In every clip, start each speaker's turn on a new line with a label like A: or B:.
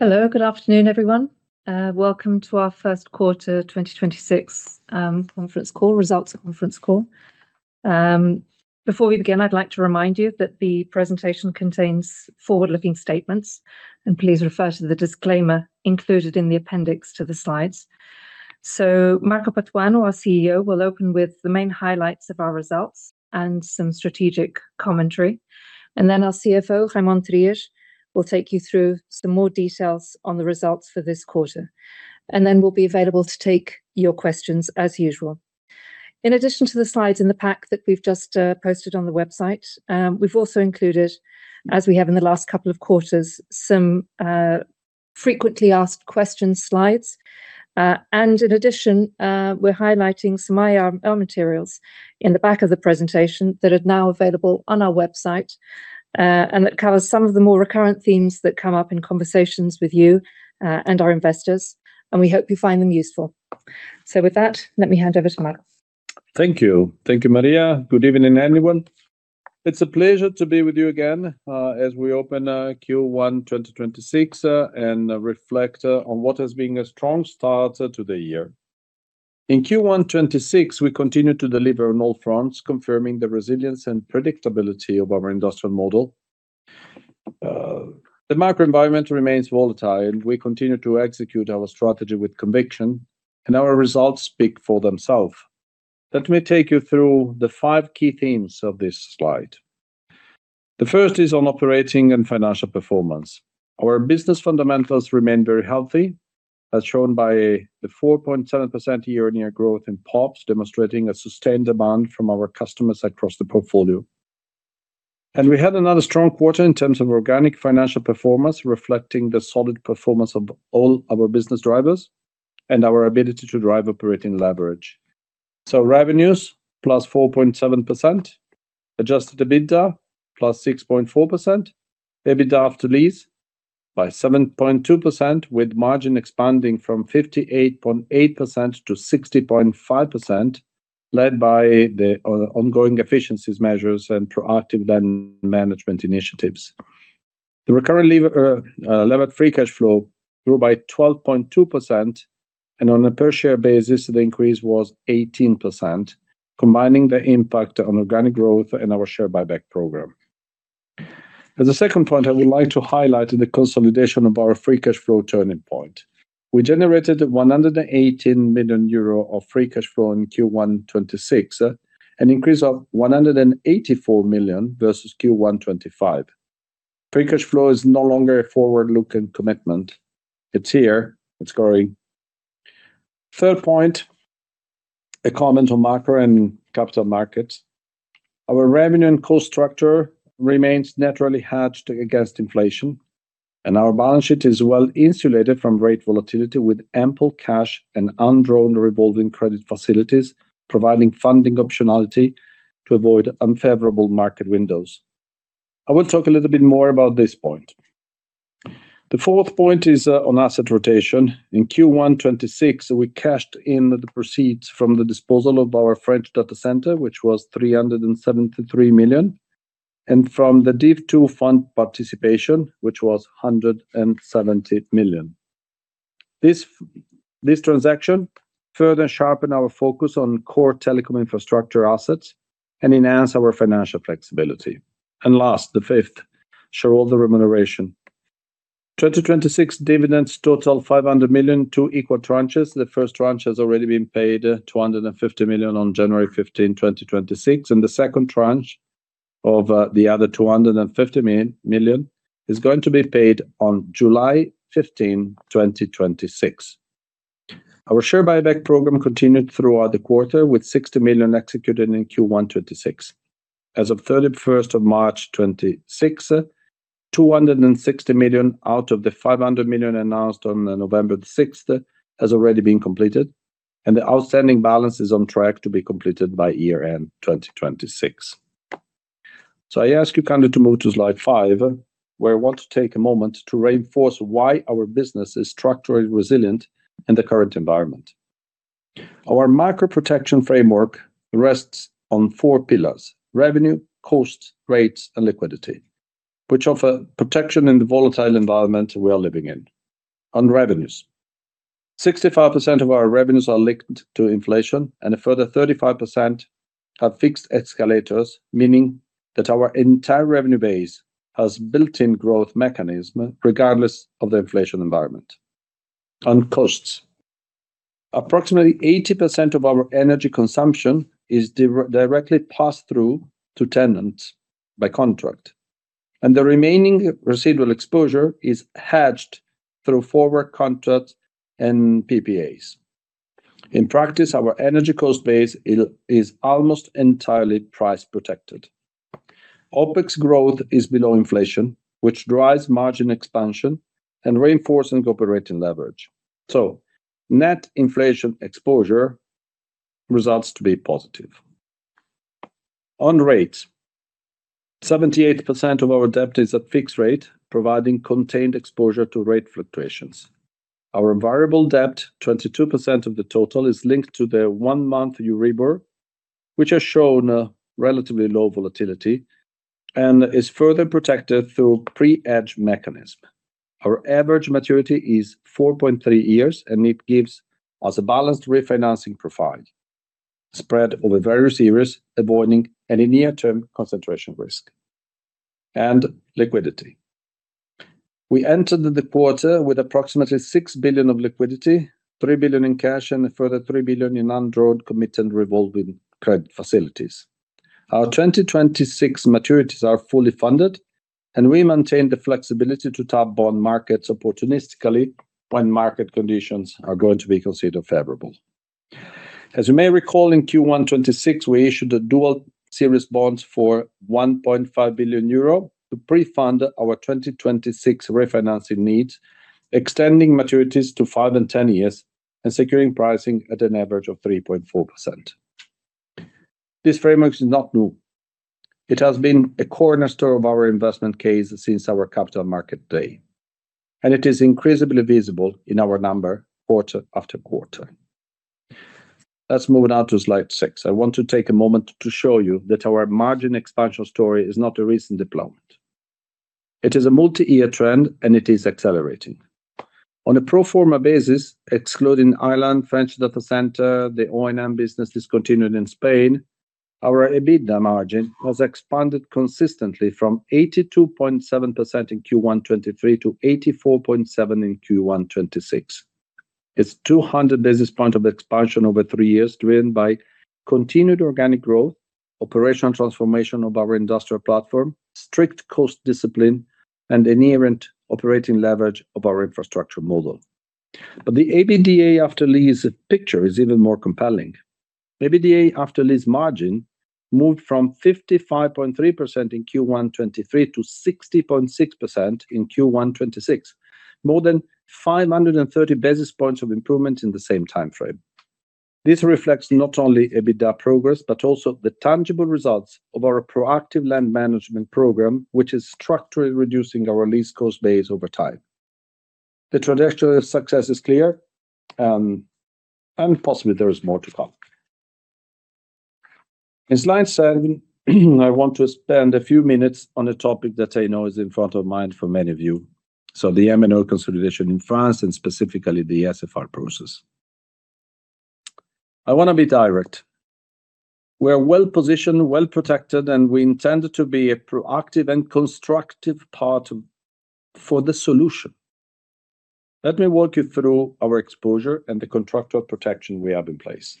A: Hello. Good afternoon, everyone. Welcome to our first quarter 2026 conference call, results conference call. Before we begin, I'd like to remind you that the presentation contains forward-looking statements, please refer to the disclaimer included in the appendix to the slides. Marco Patuano, our CEO, will open with the main highlights of our results and some strategic commentary. Then our CFO, Raimon Trias, will take you through some more details on the results for this quarter. Then we'll be available to take your questions as usual. In addition to the slides in the pack that we've just posted on the website, we've also included, as we have in the last couple of quarters, some frequently asked questions slides. In addition, we're highlighting some IR materials in the back of the presentation that are now available on our website, and that covers some of the more recurrent themes that come up in conversations with you, and our investors. We hope you find them useful. With that, let me hand over to Marco.
B: Thank you. Thank you, Maria. Good evening, everyone. It's a pleasure to be with you again, as we open Q1 2026 and reflect on what has been a strong start to the year. In Q1 2026, we continued to deliver on all fronts, confirming the resilience and predictability of our industrial model. The macro environment remains volatile, we continue to execute our strategy with conviction, our results speak for themselves. Let me take you through the five key themes of this slide. The first is on operating and financial performance. Our business fundamentals remain very healthy, as shown by the 4.7% year-on-year growth in PoPs, demonstrating a sustained demand from our customers across the portfolio. We had another strong quarter in terms of organic financial performance, reflecting the solid performance of all our business drivers and our ability to drive operating leverage. Revenues, +4.7%. Adjusted EBITDA, +6.4%. EBITDA after lease by 7.2%, with margin expanding from 58.8%-60.5%, led by the ongoing efficiencies measures and proactive then management initiatives. The recurrent levered free cash flow grew by 12.2%, and on a per share basis, the increase was 18%, combining the impact on organic growth and our share buyback program. As a second point, I would like to highlight the consolidation of our free cash flow turning point. We generated 118 million euro of free cash flow in Q1 2026, an increase of 184 million versus Q1 2025. Free cash flow is no longer a forward-looking commitment. It's here. It's growing. Third point, a comment on macro and capital markets. Our revenue and cost structure remains naturally hedged against inflation, and our balance sheet is well-insulated from rate volatility with ample cash and undrawn revolving credit facilities, providing funding optionality to avoid unfavorable market windows. I will talk a little bit more about this point. The fourth point is on asset rotation. In Q1 2026, we cashed in the proceeds from the disposal of our French data center, which was 373 million, and from the DIV II fund participation, which was 170 million. This transaction further sharpen our focus on core telecom infrastructure assets and enhance our financial flexibility. Last, the fifth, shareholder remuneration. 2026 dividends total 500 million, two equal tranches. The first tranche has already been paid, 250 million on January 15, 2026. The second tranche of the other 250 million is going to be paid on July 15, 2026. Our share buyback program continued throughout the quarter with 60 million executed in Q1 2026. As of March 31st, 2026, 260 million out of the 500 million announced on November 6th has already been completed, and the outstanding balance is on track to be completed by year-end 2026. I ask you kindly to move to slide five, where I want to take a moment to reinforce why our business is structurally resilient in the current environment. Our macro protection framework rests on 4 pillars: revenue, cost, rates, and liquidity. Which offer protection in the volatile environment we are living in. On revenues, 65% of our revenues are linked to inflation, and a further 35% have fixed escalators, meaning that our entire revenue base has built-in growth mechanism regardless of the inflation environment. On costs, approximately 80% of our energy consumption is directly passed through to tenants by contract, and the remaining residual exposure is hedged through forward contracts and PPAs. In practice, our energy cost base is almost entirely price protected. OpEx growth is below inflation, which drives margin expansion and reinforcing operating leverage. Net inflation exposure results to be positive. On rates, 78% of our debt is at fixed rate, providing contained exposure to rate fluctuations. Our variable debt, 22% of the total, is linked to the one-month Euribor, which has shown a relatively low volatility and is further protected through pre-edge mechanism. Our average maturity is 4.3 years. It gives us a balanced refinancing profile spread over various years, avoiding any near-term concentration risk. Liquidity, we entered the quarter with approximately 6 billion of liquidity, 3 billion in cash, and a further 3 billion in undrawn committed revolving credit facilities. Our 2026 maturities are fully funded. We maintain the flexibility to tap bond markets opportunistically when market conditions are going to be considered favorable. As you may recall, in Q1 2026, we issued a dual series bonds for 1.5 billion euro to pre-fund our 2026 refinancing needs, extending maturities to 5 years and 10 years and securing pricing at an average of 3.4%. This framework is not new. It has been a cornerstone of our investment case since our Capital Market Day, and it is increasingly visible in our number quarter-after-quarter. Let's move now to slide six. I want to take a moment to show you that our margin expansion story is not a recent deployment. It is a multi-year trend, and it is accelerating. On a pro forma basis, excluding Ireland, French data center, the O&M business discontinued in Spain. Our EBITDA margin has expanded consistently from 82.7% in Q1 2023 to 84.7% in Q1 2026. It's 200 basis points of expansion over three years, driven by continued organic growth, operational transformation of our industrial platform, strict cost discipline, and inherent operating leverage of our infrastructure model. The EBITDA after lease picture is even more compelling. EBITDA after lease margin moved from 55.3% in Q1 2023 to 60.6% in Q1 2026, more than 530 basis points of improvement in the same timeframe. This reflects not only EBITDA progress but also the tangible results of our proactive land management program, which is structurally reducing our lease cost base over time. The trajectory of success is clear, and possibly there is more to come. In slide seven, I want to spend a few minutes on a topic that I know is in front of mind for many of you. The MNO consolidation in France and specifically the SFR process. I wanna be direct. We're well-positioned, well-protected, and we intend to be a proactive and constructive part for the solution. Let me walk you through our exposure and the contractual protection we have in place.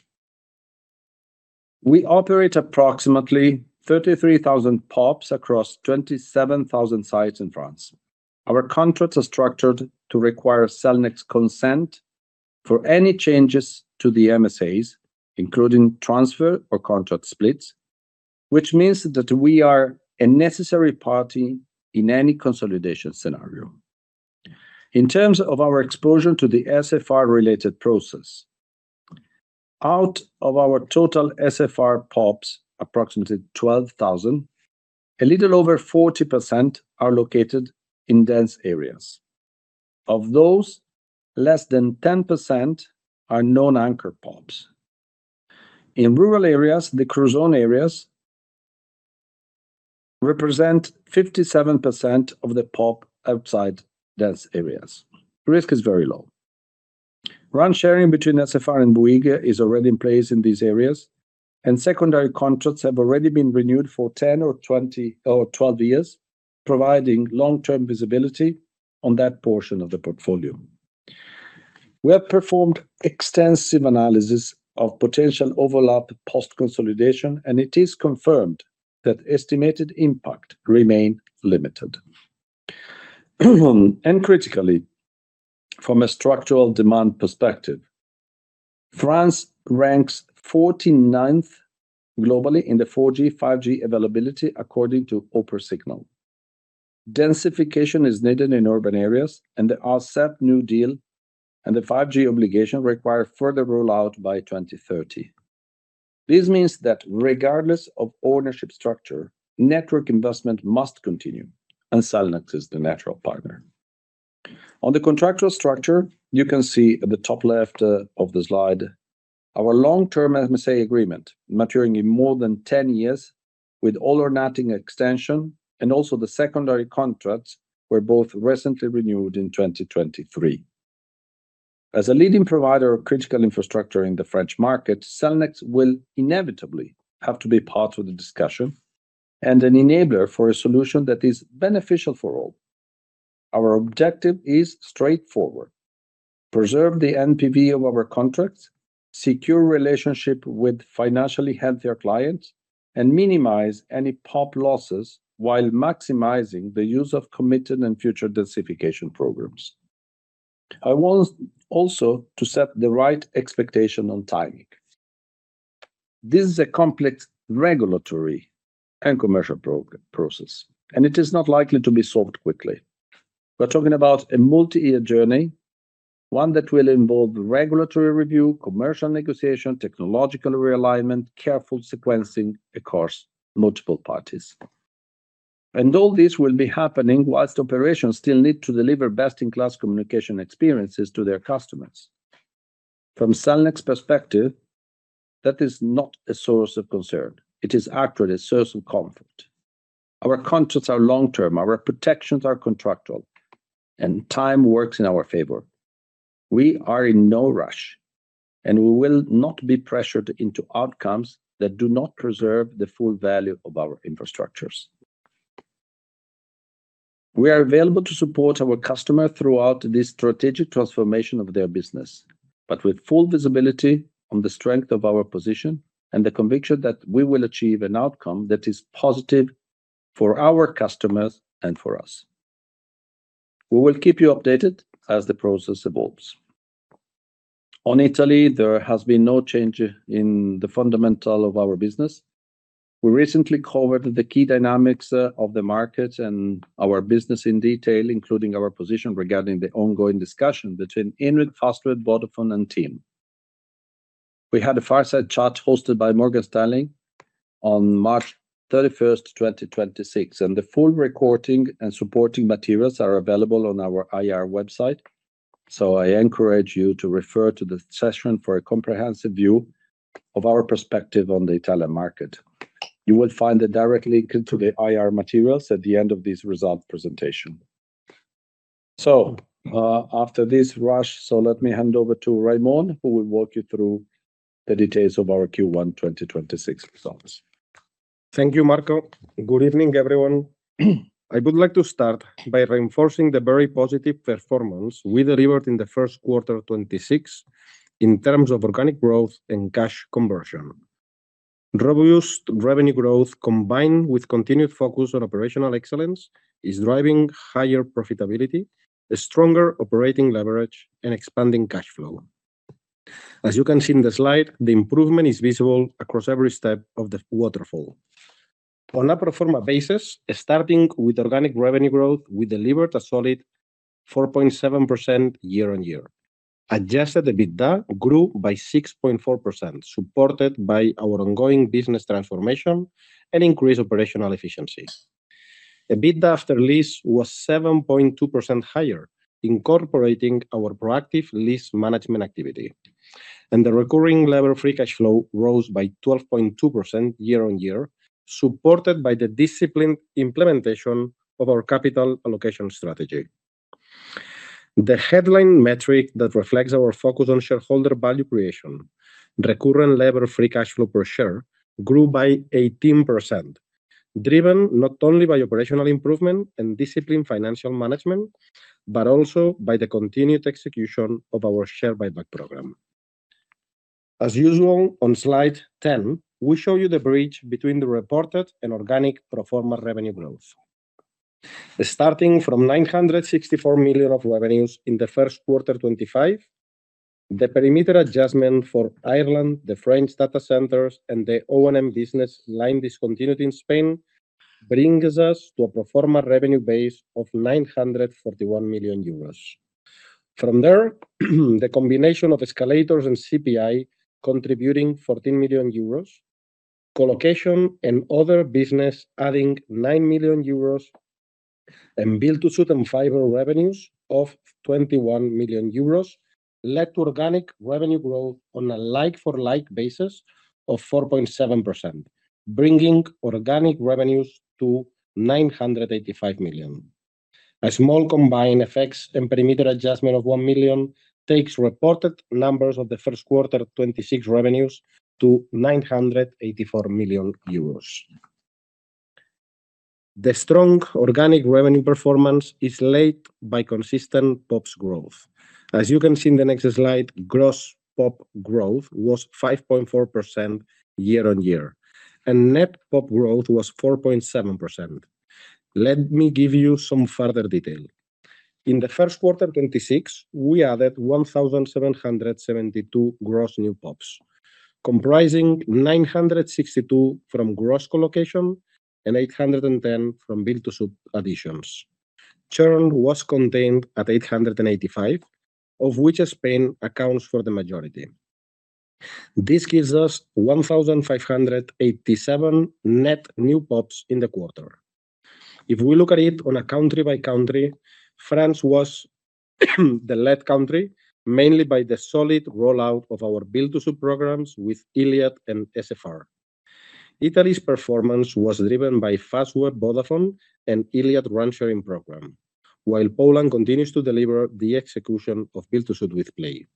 B: We operate approximately 33,000 PoPs across 27,000 sites in France. Our contracts are structured to require Cellnex consent for any changes to the MSAs, including transfer or contract splits, which means that we are a necessary party in any consolidation scenario. In terms of our exposure to the SFR-related process, out of our total SFR PoPs, approximately 12,000, a little over 40% are located in dense areas. Of those, less than 10% are known anchor PoPs. In rural areas, the Crozon areas represent 57% of the PoP outside dense areas. Risk is very low. RAN sharing between SFR and Bouygues Telecom is already in place in these areas, and secondary contracts have already been renewed for 10 years or 20 years or 12 years, providing long-term visibility on that portion of the portfolio. We have performed extensive analysis of potential overlap post-consolidation. It is confirmed that estimated impact remain limited. Critically, from a structural demand perspective, France ranks 49th globally in the 4G, 5G availability according to Opensignal. Densification is needed in urban areas. There are set new deal, and the 5G obligation require further rollout by 2030. This means that regardless of ownership structure, network investment must continue, and Cellnex is the natural partner. On the contractual structure, you can see at the top left of the slide our long-term MSA agreement maturing in more than 10 years with all or nothing extension, and also the secondary contracts were both recently renewed in 2023. As a leading provider of critical infrastructure in the French market, Cellnex will inevitably have to be part of the discussion and an enabler for a solution that is beneficial for all. Our objective is straightforward: preserve the NPV of our contracts, secure relationship with financially healthier clients, and minimize any POP losses while maximizing the use of committed and future densification programs. I want also to set the right expectation on timing. This is a complex regulatory and commercial process, it is not likely to be solved quickly. We are talking about a multi-year journey, one that will involve regulatory review, commercial negotiation, technological realignment, careful sequencing across multiple parties. All this will be happening while operations still need to deliver best-in-class communication experiences to their customers. From Cellnex perspective, that is not a source of concern. It is actually a source of comfort. Our contracts are long-term, our protections are contractual, and time works in our favor. We are in no rush, and we will not be pressured into outcomes that do not preserve the full value of our infrastructures. We are available to support our customer throughout this strategic transformation of their business, but with full visibility on the strength of our position and the conviction that we will achieve an outcome that is positive for our customers and for us. We will keep you updated as the process evolves. On Italy, there has been no change in the fundamental of our business. We recently covered the key dynamics of the market and our business in detail, including our position regarding the ongoing discussion between Iliad, Fastweb, Vodafone, and TIM. We had a fireside chat hosted by Morgan Stanley on March 31st, 2026, and the full recording and supporting materials are available on our IR website. I encourage you to refer to the session for a comprehensive view of our perspective on the Italian market. You will find a direct link to the IR materials at the end of this result presentation. After this rush, let me hand over to Raimon, who will walk you through the details of our Q1 2026 results.
C: Thank you, Marco. Good evening, everyone. I would like to start by reinforcing the very positive performance we delivered in the first quarter 2026 in terms of organic growth and cash conversion. Robust revenue growth, combined with continued focus on operational excellence, is driving higher profitability, a stronger operating leverage, and expanding cash flow. As you can see in the slide, the improvement is visible across every step of the waterfall. On a pro forma basis, starting with organic revenue growth, we delivered a solid 4.7% year-on-year. Adjusted EBITDA grew by 6.4%, supported by our ongoing business transformation and increased operational efficiencies. EBITDA after leases was 7.2% higher, incorporating our proactive lease management activity. The recurring levered free cash flow rose by 12.2% year-on-year, supported by the disciplined implementation of our capital allocation strategy. The headline metric that reflects our focus on shareholder value creation, recurring levered free cash flow per share grew by 18%. Driven not only by operational improvement and disciplined financial management, but also by the continued execution of our share buyback program. As usual, on slide 10, we show you the bridge between the reported and organic pro forma revenue growth. Starting from 964 million of revenues in the first quarter 2025, the perimeter adjustment for Ireland, the French data centers, and the O&M business line discontinued in Spain brings us to a pro forma revenue base of 941 million euros. The combination of escalators and CPI contributing 14 million euros, colocation and other business adding 9 million euros, and build-to-suit and fiber revenues of 21 million euros led to organic revenue growth on a like-for-like basis of 4.7%, bringing organic revenues to 985 million. A small combined effects and perimeter adjustment of 1 million takes reported numbers of the first quarter 2026 revenues to 984 million euros. The strong organic revenue performance is led by consistent PoPs growth. As you can see in the next slide, gross PoP growth was 5.4% year-on-year, and net PoP growth was 4.7%. Let me give you some further detail. In the first quarter 2026, we added 1,772 gross new PoPs, comprising 962 from gross colocation and 810 from build-to-suit additions. Churn was contained at 885, of which Spain accounts for the majority. This gives us 1,587 net new PoPs in the quarter. If we look at it on a country-by-country, France was the lead country, mainly by the solid rollout of our build-to-suit programs with Iliad and SFR. Italy's performance was driven by Fastweb, Vodafone, and Iliad brand sharing program. While Poland continues to deliver the execution of build-to-suit with Play.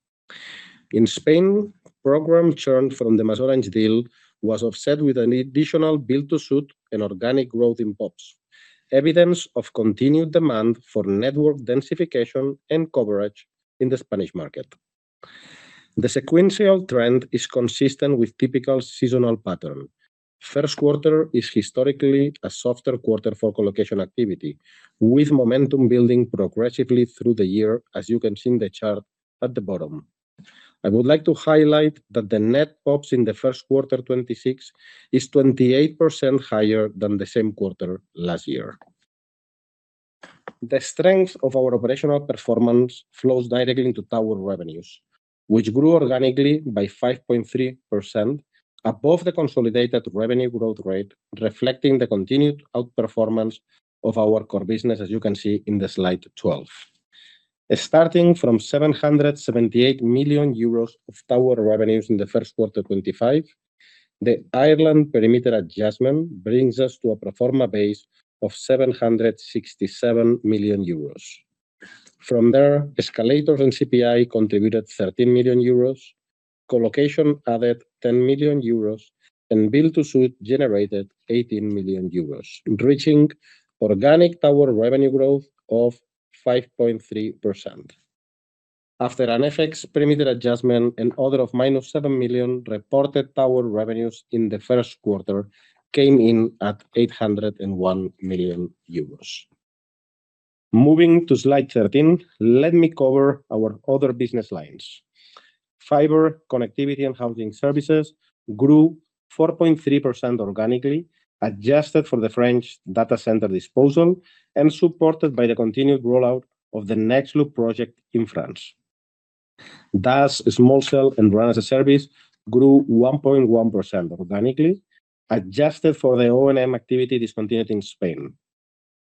C: In Spain, program churn from the MasOrange deal was offset with an additional build-to-suit and organic growth in PoPs, evidence of continued demand for network densification and coverage in the Spanish market. The sequential trend is consistent with typical seasonal pattern. First quarter is historically a softer quarter for colocation activity, with momentum building progressively through the year, as you can see in the chart at the bottom. I would like to highlight that the net PoPs in the first quarter 2026 is 28% higher than the same quarter last year. The strength of our operational performance flows directly into tower revenues, which grew organically by 5.3% above the consolidated revenue growth rate, reflecting the continued outperformance of our core business, as you can see in the slide 12. Starting from 778 million euros of tower revenues in the first quarter 2025, the Ireland perimeter adjustment brings us to a pro forma base of 767 million euros. From there, escalators and CPI contributed 13 million euros, colocation added 10 million euros, and build-to-suit generated 18 million euros, reaching organic tower revenue growth of 5.3%. After an FX perimeter adjustment and order of -7 million, reported tower revenues in the first quarter came in at 801 million euros. Moving to slide 13, let me cover our other business lines. Fiber, connectivity and housing services grew 4.3% organically, adjusted for the French data center disposal and supported by the continued rollout of the Nexloop project in France. DAS, Small Cells, and RAN-as-a-Service grew 1.1% organically, adjusted for the O&M activity discontinued in Spain.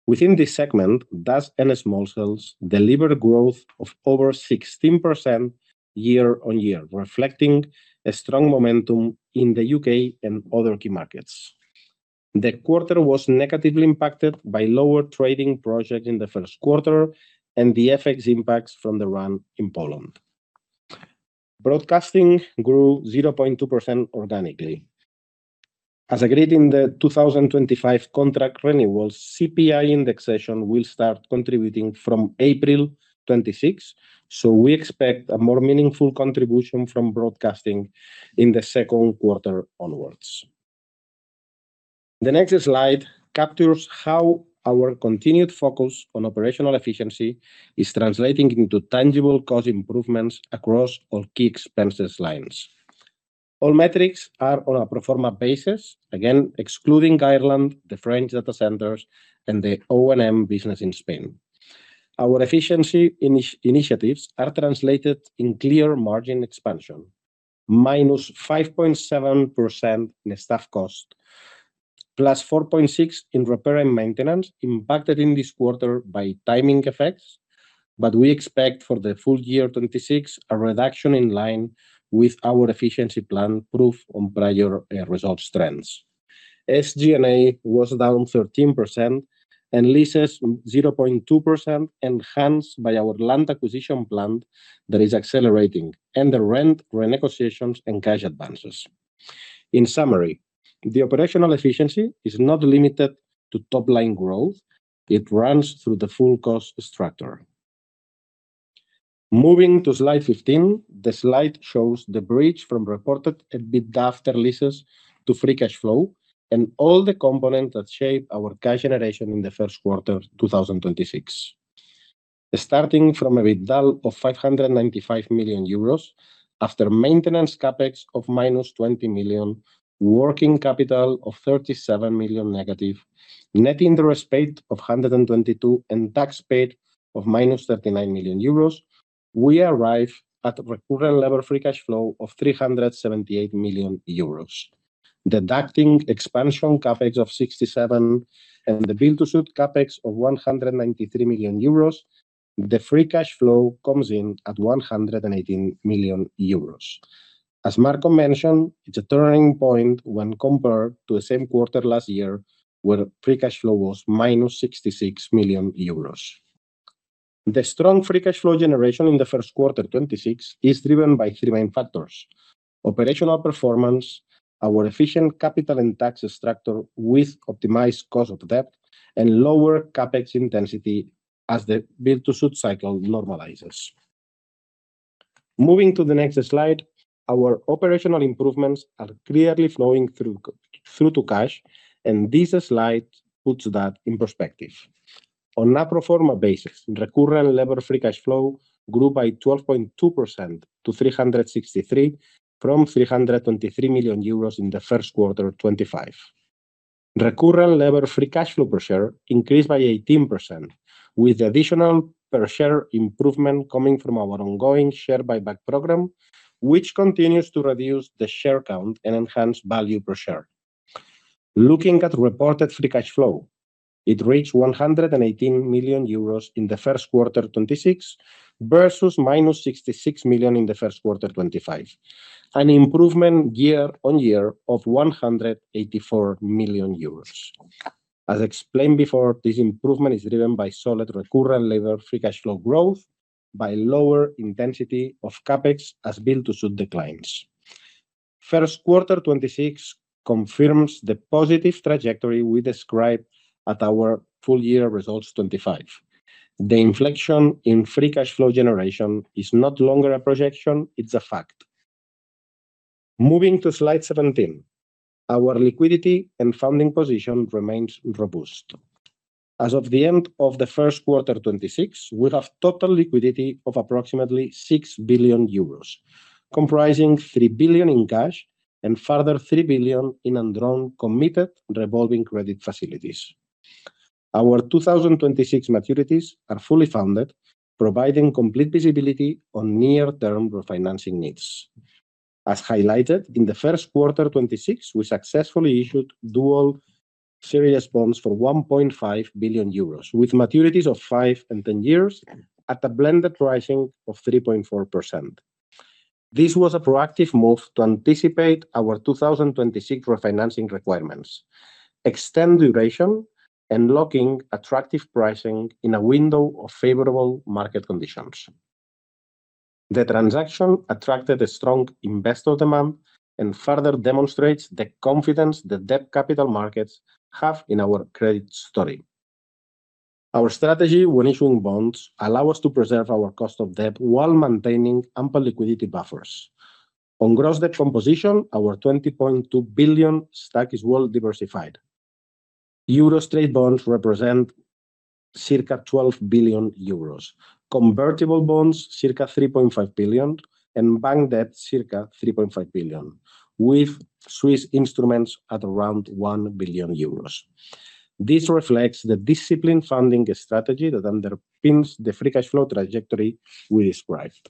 C: Within this segment, DAS and Small Cells delivered growth of over 16% year-on-year, reflecting a strong momentum in the U.K. and other key markets. The quarter was negatively impacted by lower trading project in the first quarter and the FX impacts from the RAN in Poland. Broadcasting grew 0.2% organically. As agreed in the 2025 contract renewals, CPI indexation will start contributing from April 26, so we expect a more meaningful contribution from broadcasting in the second quarter onwards. The next slide captures how our continued focus on operational efficiency is translating into tangible cost improvements across all key expenses lines. All metrics are on a pro forma basis, again, excluding Ireland, the French data centers, and the O&M business in Spain. Our efficiency initiatives are translated in clear margin expansion, -5.7% in the staff cost, +4.6% in repair and maintenance impacted in this quarter by timing effects. We expect for the full year 2026 a reduction in line with our efficiency plan proof on prior results trends. SG&A was down 13%, and leases 0.2%, enhanced by our land acquisition plan that is accelerating, and the rent renegotiations and cash advances. In summary, the operational efficiency is not limited to top-line growth. It runs through the full cost structure. Moving to slide 15. The slide shows the bridge from reported EBITDA after leases to free cash flow and all the components that shape our cash generation in the first quarter 2026. Starting from EBITDA of 595 million euros, after maintenance CapEx of -20 million, working capital of -37 million, net interest paid of 122 million, tax paid of -39 million euros, we arrive at recurrent levered free cash flow of 378 million euros. Deducting expansion CapEx of 67 million and the build-to-suit CapEx of 193 million euros, the free cash flow comes in at 118 million euros. As Marco mentioned, it's a turning point when compared to the same quarter last year, where free cash flow was -66 million euros. The strong free cash flow generation in the first quarter 2026 is driven by three main factors: operational performance, our efficient capital and tax structure with optimized cost of debt, and lower CapEx intensity as the build-to-suit cycle normalizes. Moving to the next slide, our operational improvements are clearly flowing through to cash, and this slide puts that in perspective. On a pro forma basis, recurrent levered free cash flow grew by 12.2% to 363 million from 323 million euros in the first quarter 2025. Recurrent levered free cash flow per share increased by 18%, with additional per share improvement coming from our ongoing share buyback program, which continues to reduce the share count and enhance value per share. Looking at reported free cash flow, it reached 118 million euros in the first quarter 2026 versus -66 million in the first quarter 2025. An improvement year-on-year of 184 million euros. As explained before, this improvement is driven by solid recurrent levered free cash flow growth by lower intensity of CapEx as build-to-suit declines. First quarter 2026 confirms the positive trajectory we described at our full year results 2025. The inflection in free cash flow generation is no longer a projection, it is a fact. Moving to slide 17. Our liquidity and funding position remains robust. As of the end of the first quarter 2026, we have total liquidity of approximately 6 billion euros, comprising 3 billion in cash and further 3 billion in undrawn committed revolving credit facilities. Our 2026 maturities are fully funded, providing complete visibility on near-term refinancing needs. As highlighted, in the first quarter 2026, we successfully issued dual series bonds for 1.5 billion euros, with maturities of 5 years and 10 years at a blended pricing of 3.4%. This was a proactive move to anticipate our 2026 refinancing requirements, extend duration and locking attractive pricing in a window of favorable market conditions. The transaction attracted strong investor demand and further demonstrates the confidence the debt capital markets have in our credit story. Our strategy when issuing bonds allow us to preserve our cost of debt while maintaining ample liquidity buffers. On gross debt composition, our 20.2 billion stack is well diversified. Euro trade bonds represent circa 12 billion euros, convertible bonds circa 3.5 billion, and bank debt circa 3.5 billion, with Swiss instruments at around 1 billion euros. This reflects the disciplined funding strategy that underpins the free cash flow trajectory we described.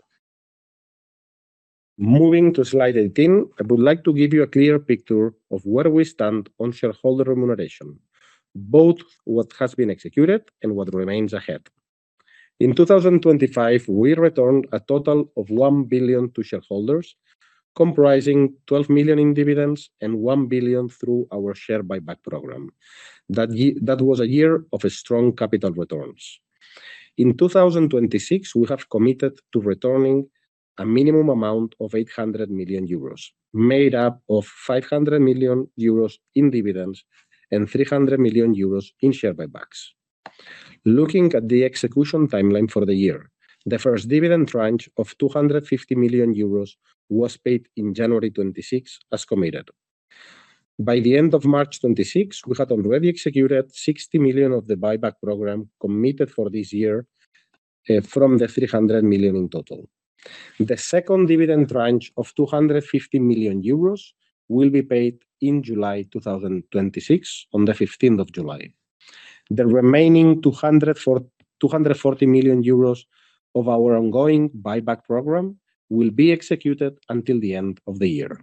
C: Moving to slide 18, I would like to give you a clear picture of where we stand on shareholder remuneration, both what has been executed and what remains ahead. In 2025, we returned a total of 1 billion to shareholders, comprising 12 million in dividends and 1 billion through our share buyback program. That was a year of a strong capital returns. In 2026, we have committed to returning a minimum amount of 800 million euros, made up of 500 million euros in dividends and 300 million euros in share buybacks. Looking at the execution timeline for the year, the first dividend tranche of 250 million euros was paid in January 2026 as committed. By the end of March 2026, we had already executed 60 million of the buyback program committed for this year, from the 300 million in total. The second dividend tranche of 250 million euros will be paid in July 2026, on the 15th of July. The remaining 240 million euros of our ongoing buyback program will be executed until the end of the year.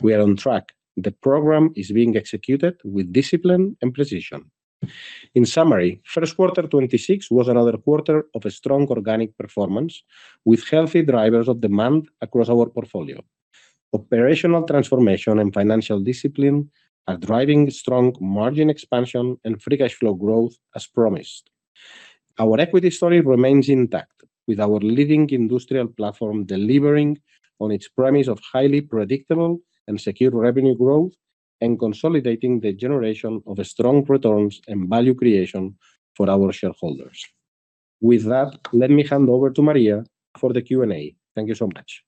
C: We are on track. The program is being executed with discipline and precision. In summary, first quarter 2026 was another quarter of a strong organic performance with healthy drivers of demand across our portfolio. Operational transformation and financial discipline are driving strong margin expansion and free cash flow growth as promised. Our equity story remains intact with our leading industrial platform delivering on its premise of highly predictable and secure revenue growth and consolidating the generation of strong returns and value creation for our shareholders. With that, let me hand over to Maria for the Q&A. Thank you so much.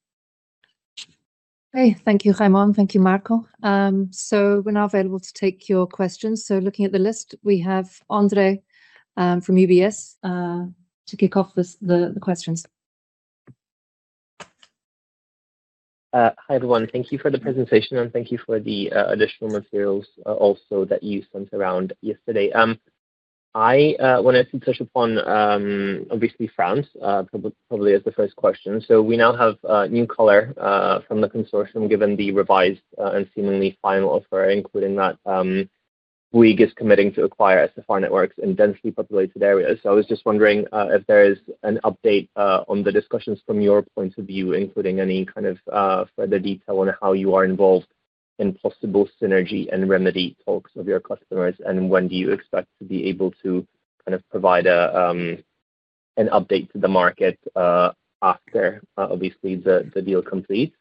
A: Okay. Thank you, Raimon. Thank you, Marco. We're now available to take your questions. Looking at the list, we have Ondrej Cabejsek from UBS to kick off the questions.
D: Hi, everyone. Thank you for the presentation, and thank you for the additional materials also that you sent around yesterday. I wanted to touch upon obviously France, probably as the first question. We now have new color from the consortium, given the revised and seemingly final offer, including that WIG is committing to acquire SFR networks in densely populated areas. I was just wondering if there is an update on the discussions from your point of view, including any kind of further detail on how you are involved in possible synergy and remedy talks with your customers? And when do you expect to be able to kind of provide an update to the market after obviously the deal completes?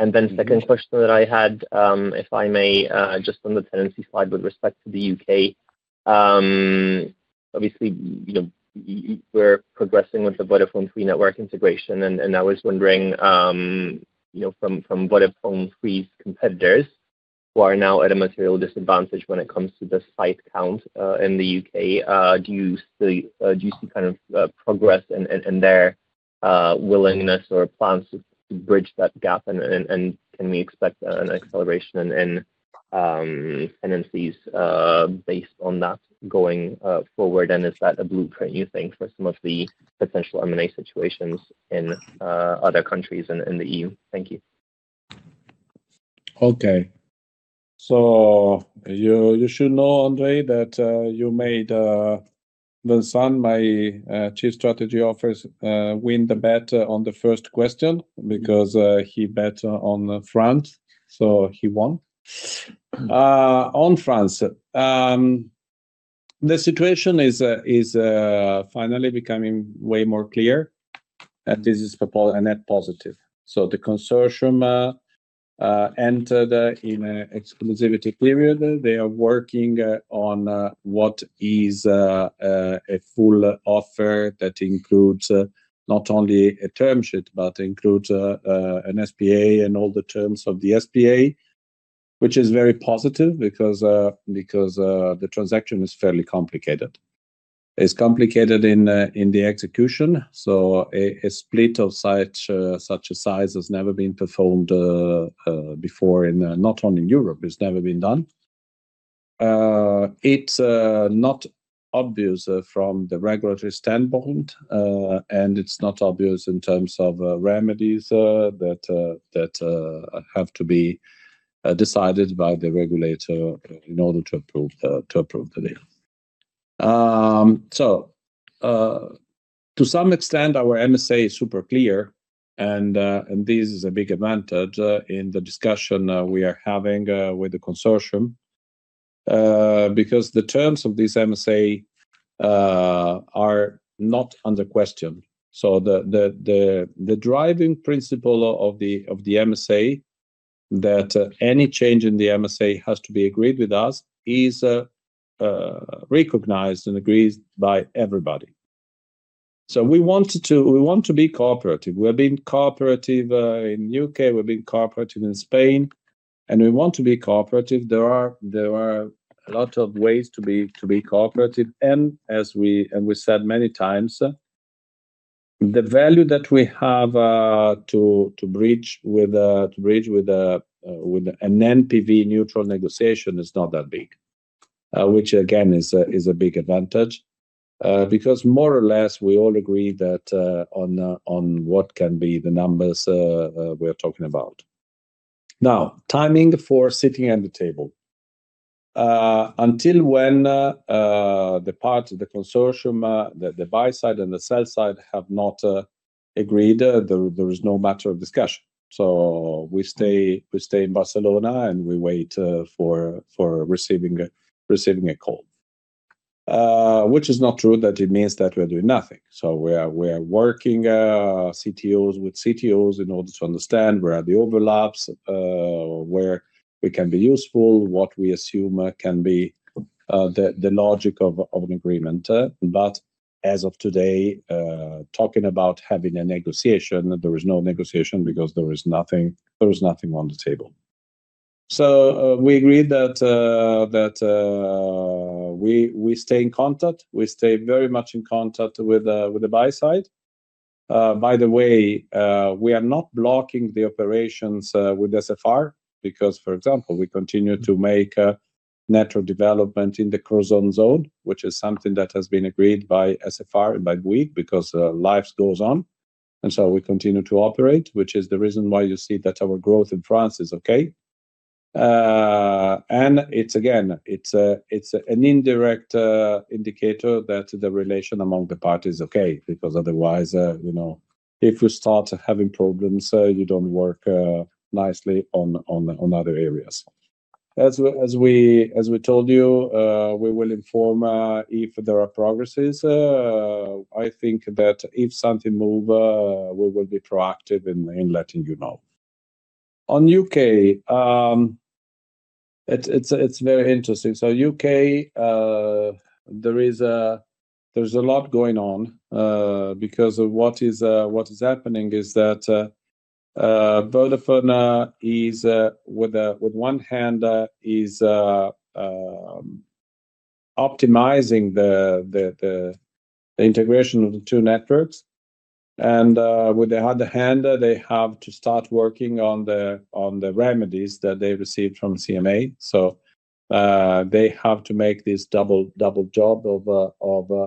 D: Second question that I had, if I may, just on the tenancy slide with respect to the U.K. Obviously, you know, you were progressing with the VodafoneThree network integration, and I was wondering, you know, from VodafoneThree's competitors, who are now at a material disadvantage when it comes to the site count in the U.K. Do you see kind of progress in their willingness or plans to bridge that gap? Can we expect an acceleration in tenancies based on that going forward? Is that a blueprint, you think, for some of the potential M&A situations in other countries in the EU? Thank you.
B: Okay. You should know, Ondrej, that you made Vincent Cuvillier, my Chief Strategy Officer, win the bet on the first question because he bet on France, so he won. On France, the situation is finally becoming way more clear, and this is a net positive. The consortium entered in a exclusivity period. They are working on what is a full offer that includes not only a term sheet, but includes an SPA and all the terms of the SPA, which is very positive because the transaction is fairly complicated. It's complicated in the execution. A split of such a size has never been performed before in not only in Europe. It's never been done. It's not obvious from the regulatory standpoint, and it's not obvious in terms of remedies that have to be decided by the regulator in order to approve the deal. To some extent our MSA is super clear and this is a big advantage in the discussion we are having with the consortium. The terms of this MSA are not under question. The driving principle of the MSA that any change in the MSA has to be agreed with us is recognized and agreed by everybody. We want to be cooperative. We've been cooperative in U.K., we've been cooperative in Spain, and we want to be cooperative. There are a lot of ways to be cooperative. As we said many times, the value that we have to bridge with an NPV neutral negotiation is not that big. Which again, is a big advantage. Because more or less we all agree that on what can be the numbers we are talking about. Timing for sitting at the table. Until when the part of the consortium, the buy side and the sell side have not agreed, there is no matter of discussion. We stay in Barcelona and we wait for receiving a call. Which is not true that it means that we're doing nothing. We are working CTOs with CTOs in order to understand where are the overlaps, where we can be useful, what we assume can be the logic of an agreement. But as of today, talking about having a negotiation, there is no negotiation because there is nothing on the table. We agreed that we stay in contact. We stay very much in contact with the buy side. By the way, we are not blocking the operations with SFR because, for example, we continue to make natural development in the Crozon zone, which is something that has been agreed by SFR and by Bouygues because life goes on. So we continue to operate, which is the reason why you see that our growth in France is okay. It's again, it's an indirect indicator that the relation among the parties is okay because otherwise, you know, if you start having problems, you don't work nicely on, on other areas. As we told you, we will inform if there are progresses. I think that if something move, we will be proactive in letting you know. On U.K., it's very interesting. U.K., there is a lot going on, because what is happening is that Vodafone is, with one hand, is optimizing the integration of the two networks. With the other hand, they have to start working on the remedies that they received from CMA. They have to make this double job of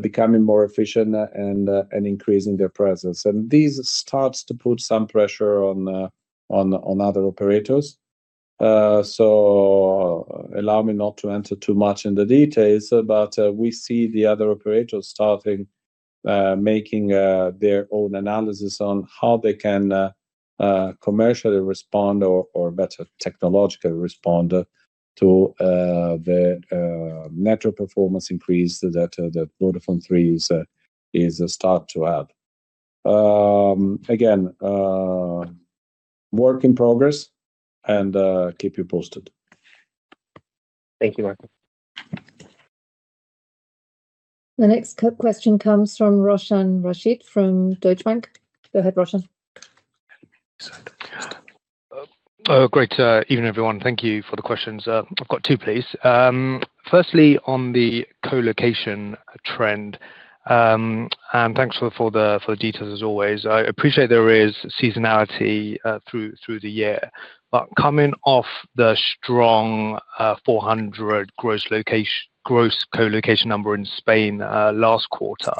B: becoming more efficient and increasing their presence. This starts to put some pressure on other operators. Allow me not to enter too much in the details, but we see the other operators starting making their own analysis on how they can commercially respond or better technological respond to the network performance increase that VodafoneThree is start to have. Work in progress and keep you posted.
D: Thank you, Marco.
A: The next question comes from Roshan Ranjit from Deutsche Bank. Go ahead, Roshan.
E: Great evening everyone. Thank you for the questions. I've got two, please. Firstly, on the colocation trend, and thanks for the details as always. I appreciate there is seasonality through the year. Coming off the strong 400 gross colocation number in Spain last quarter.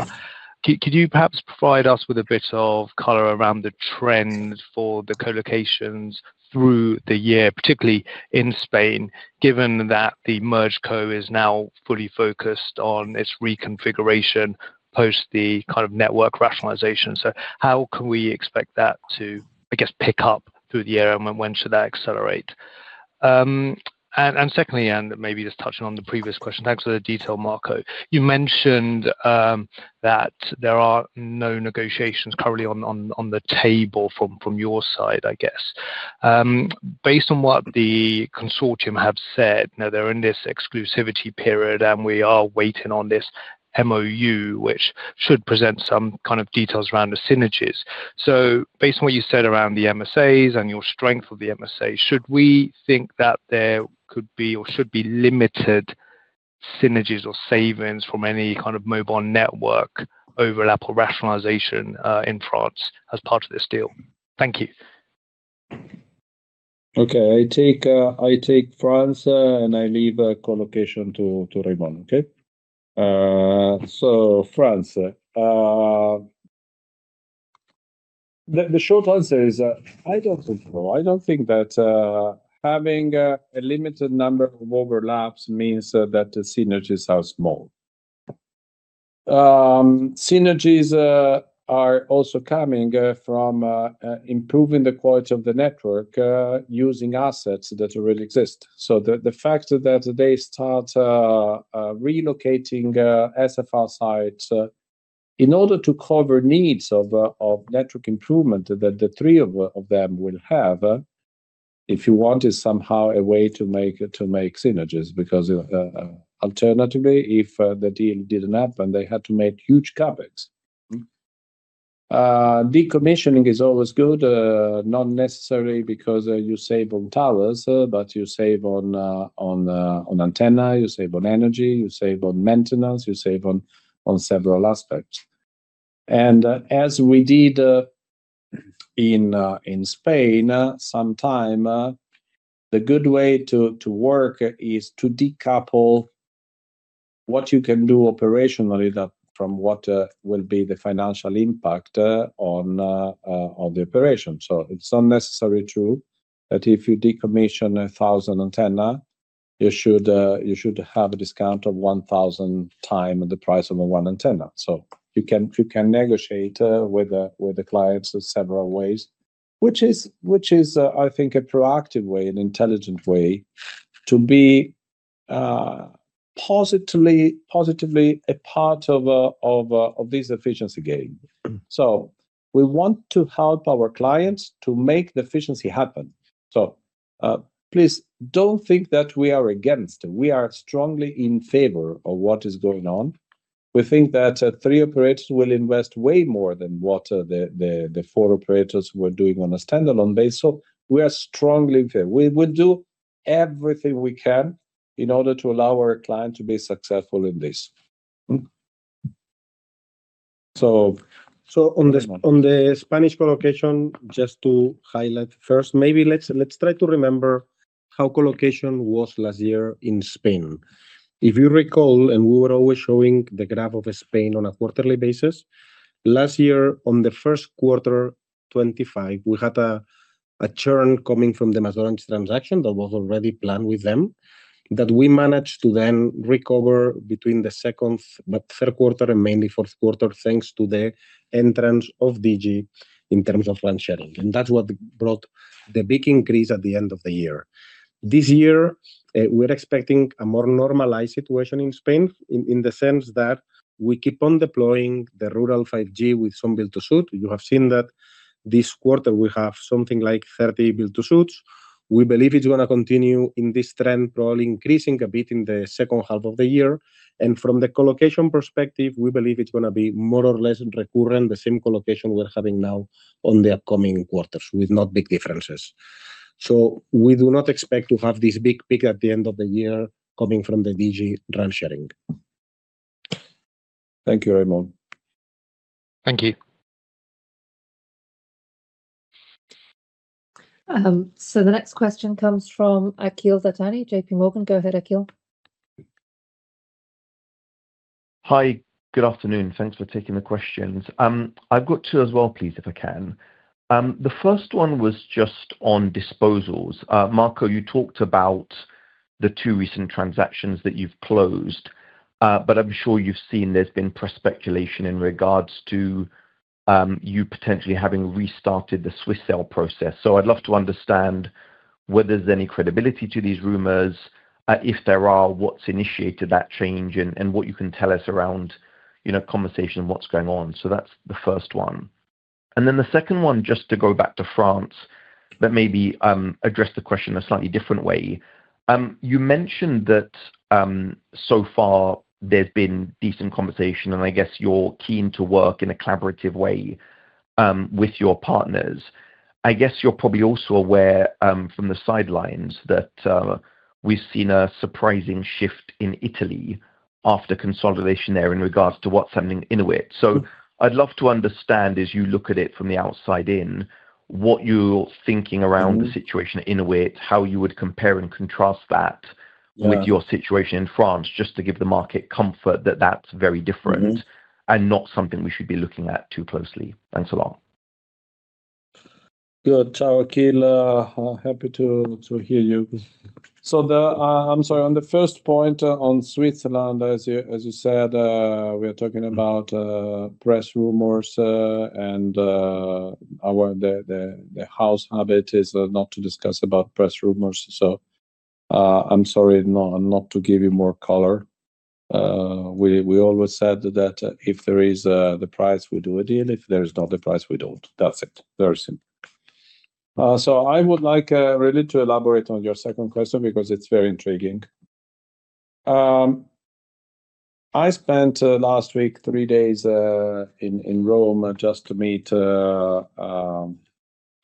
E: Could you perhaps provide us with a bit of color around the trend for the colocations through the year, particularly in Spain, given that the MergeCo is now fully focused on its reconfiguration post the kind of network rationalization? How can we expect that to, I guess, pick up through the year? When should that accelerate? Secondly, and maybe just touching on the previous question, thanks for the detail, Marco. You mentioned that there are no negotiations currently on the table from your side, I guess. Based on what the consortium have said, now they're in this exclusivity period, and we are waiting on this MOU, which should present some kind of details around the synergies. Based on what you said around the MSAs and your strength of the MSA. Should we think that there could be or should be limited synergies or savings from any kind of mobile network overlap or rationalization in France as part of this deal? Thank you.
B: Okay. I take France, and I leave colocation to Raimon. Okay. France. The short answer is, I don't think so. I don't think that having a limited number of overlaps means that the synergies are small. Synergies are also coming from improving the quality of the network, using assets that already exist. The fact that they start relocating SFR sites in order to cover needs of network improvement that the three of them will have, if you want, is somehow a way to make synergies. Alternatively, if the deal didn't happen, they had to make huge CapEx. Decommissioning is always good, not necessarily because you save on towers, but you save on antenna, you save on energy, you save on maintenance, you save on several aspects. As we did in Spain sometime, the good way to work is to decouple what you can do operationally from what will be the financial impact on the operation. It's not necessary true that if you decommission 1,000 antenna, you should have a discount of 1,000 x the price of a one antenna. You can negotiate with the clients several ways. Which is I think a proactive way and intelligent way to be positively a part of this efficiency gain. We want to help our clients to make the efficiency happen. Please don't think that we are against. We are strongly in favor of what is going on. We think that three operators will invest way more than what the four operators were doing on a standalone basis. We are strongly in favor. We will do everything we can in order to allow our client to be successful in this.
C: So on the Spanish colocation, just to highlight first, maybe let's try to remember how colocation was last year in Spain. If you recall, we were always showing the graph of Spain on a quarterly basis. Last year, on the first quarter 2025, we had a churn coming from the MasOrange transaction that was already planned with them. That we managed to then recover between the second but third quarter and mainly fourth quarter, thanks to the entrance of Digi in terms of RAN sharing. That's what brought the big increase at the end of the year. This year, we're expecting a more normalized situation in Spain in the sense that we keep on deploying the rural 5G with some build-to-suit. You have seen that this quarter we have something like 30 build-to-suits. We believe it's gonna continue in this trend, probably increasing a bit in the second half of the year. From the colocation perspective, we believe it's gonna be more or less recurrent, the same colocation we're having now on the upcoming quarters with not big differences. We do not expect to have this big peak at the end of the year coming from the Digi RAN sharing.
B: Thank you, Raimon.
E: Thank you.
A: The next question comes from Akhil Dattani, JPMorgan. Go ahead, Akhil.
F: Hi, good afternoon. Thanks for taking the questions. I've got two as well, please, if I can. The first one was just on disposals. Marco, you talked about the two recent transactions that you've closed. I'm sure you've seen there's been press speculation in regards to you potentially having restarted the Swiss sale process. I'd love to understand whether there's any credibility to these rumors. If there are, what's initiated that change and what you can tell us around, you know, conversation on what's going on? That's the first one. The second one, just to go back to France, but maybe address the question a slightly different way. You mentioned that so far there's been decent conversation, and I guess you're keen to work in a collaborative way with your partners. I guess you're probably also aware, from the sidelines that, we've seen a surprising shift in Italy after consolidation there in regards to what's happening in a way. I'd love to understand, as you look at it from the outside in. What you're thinking around the situation in a way?ow you would compare and contrast that?
B: Yeah.
F: With your situation in France, just to give the market comfort that that is very different. And not something we should be looking at too closely. Thanks a lot.
B: Good. Akhil, happy to hear you. The, I'm sorry, on the first point on Switzerland, as you said, we are talking about press rumors, and the house habit is not to discuss about press rumors. I'm sorry, no, not to give you more color. We always said that if there is the price, we do a deal. If there is not the price, we don't. That's it. Very simple. I would like really to elaborate on your second question because it is very intriguing. I spent last week, three days in Rome just to meet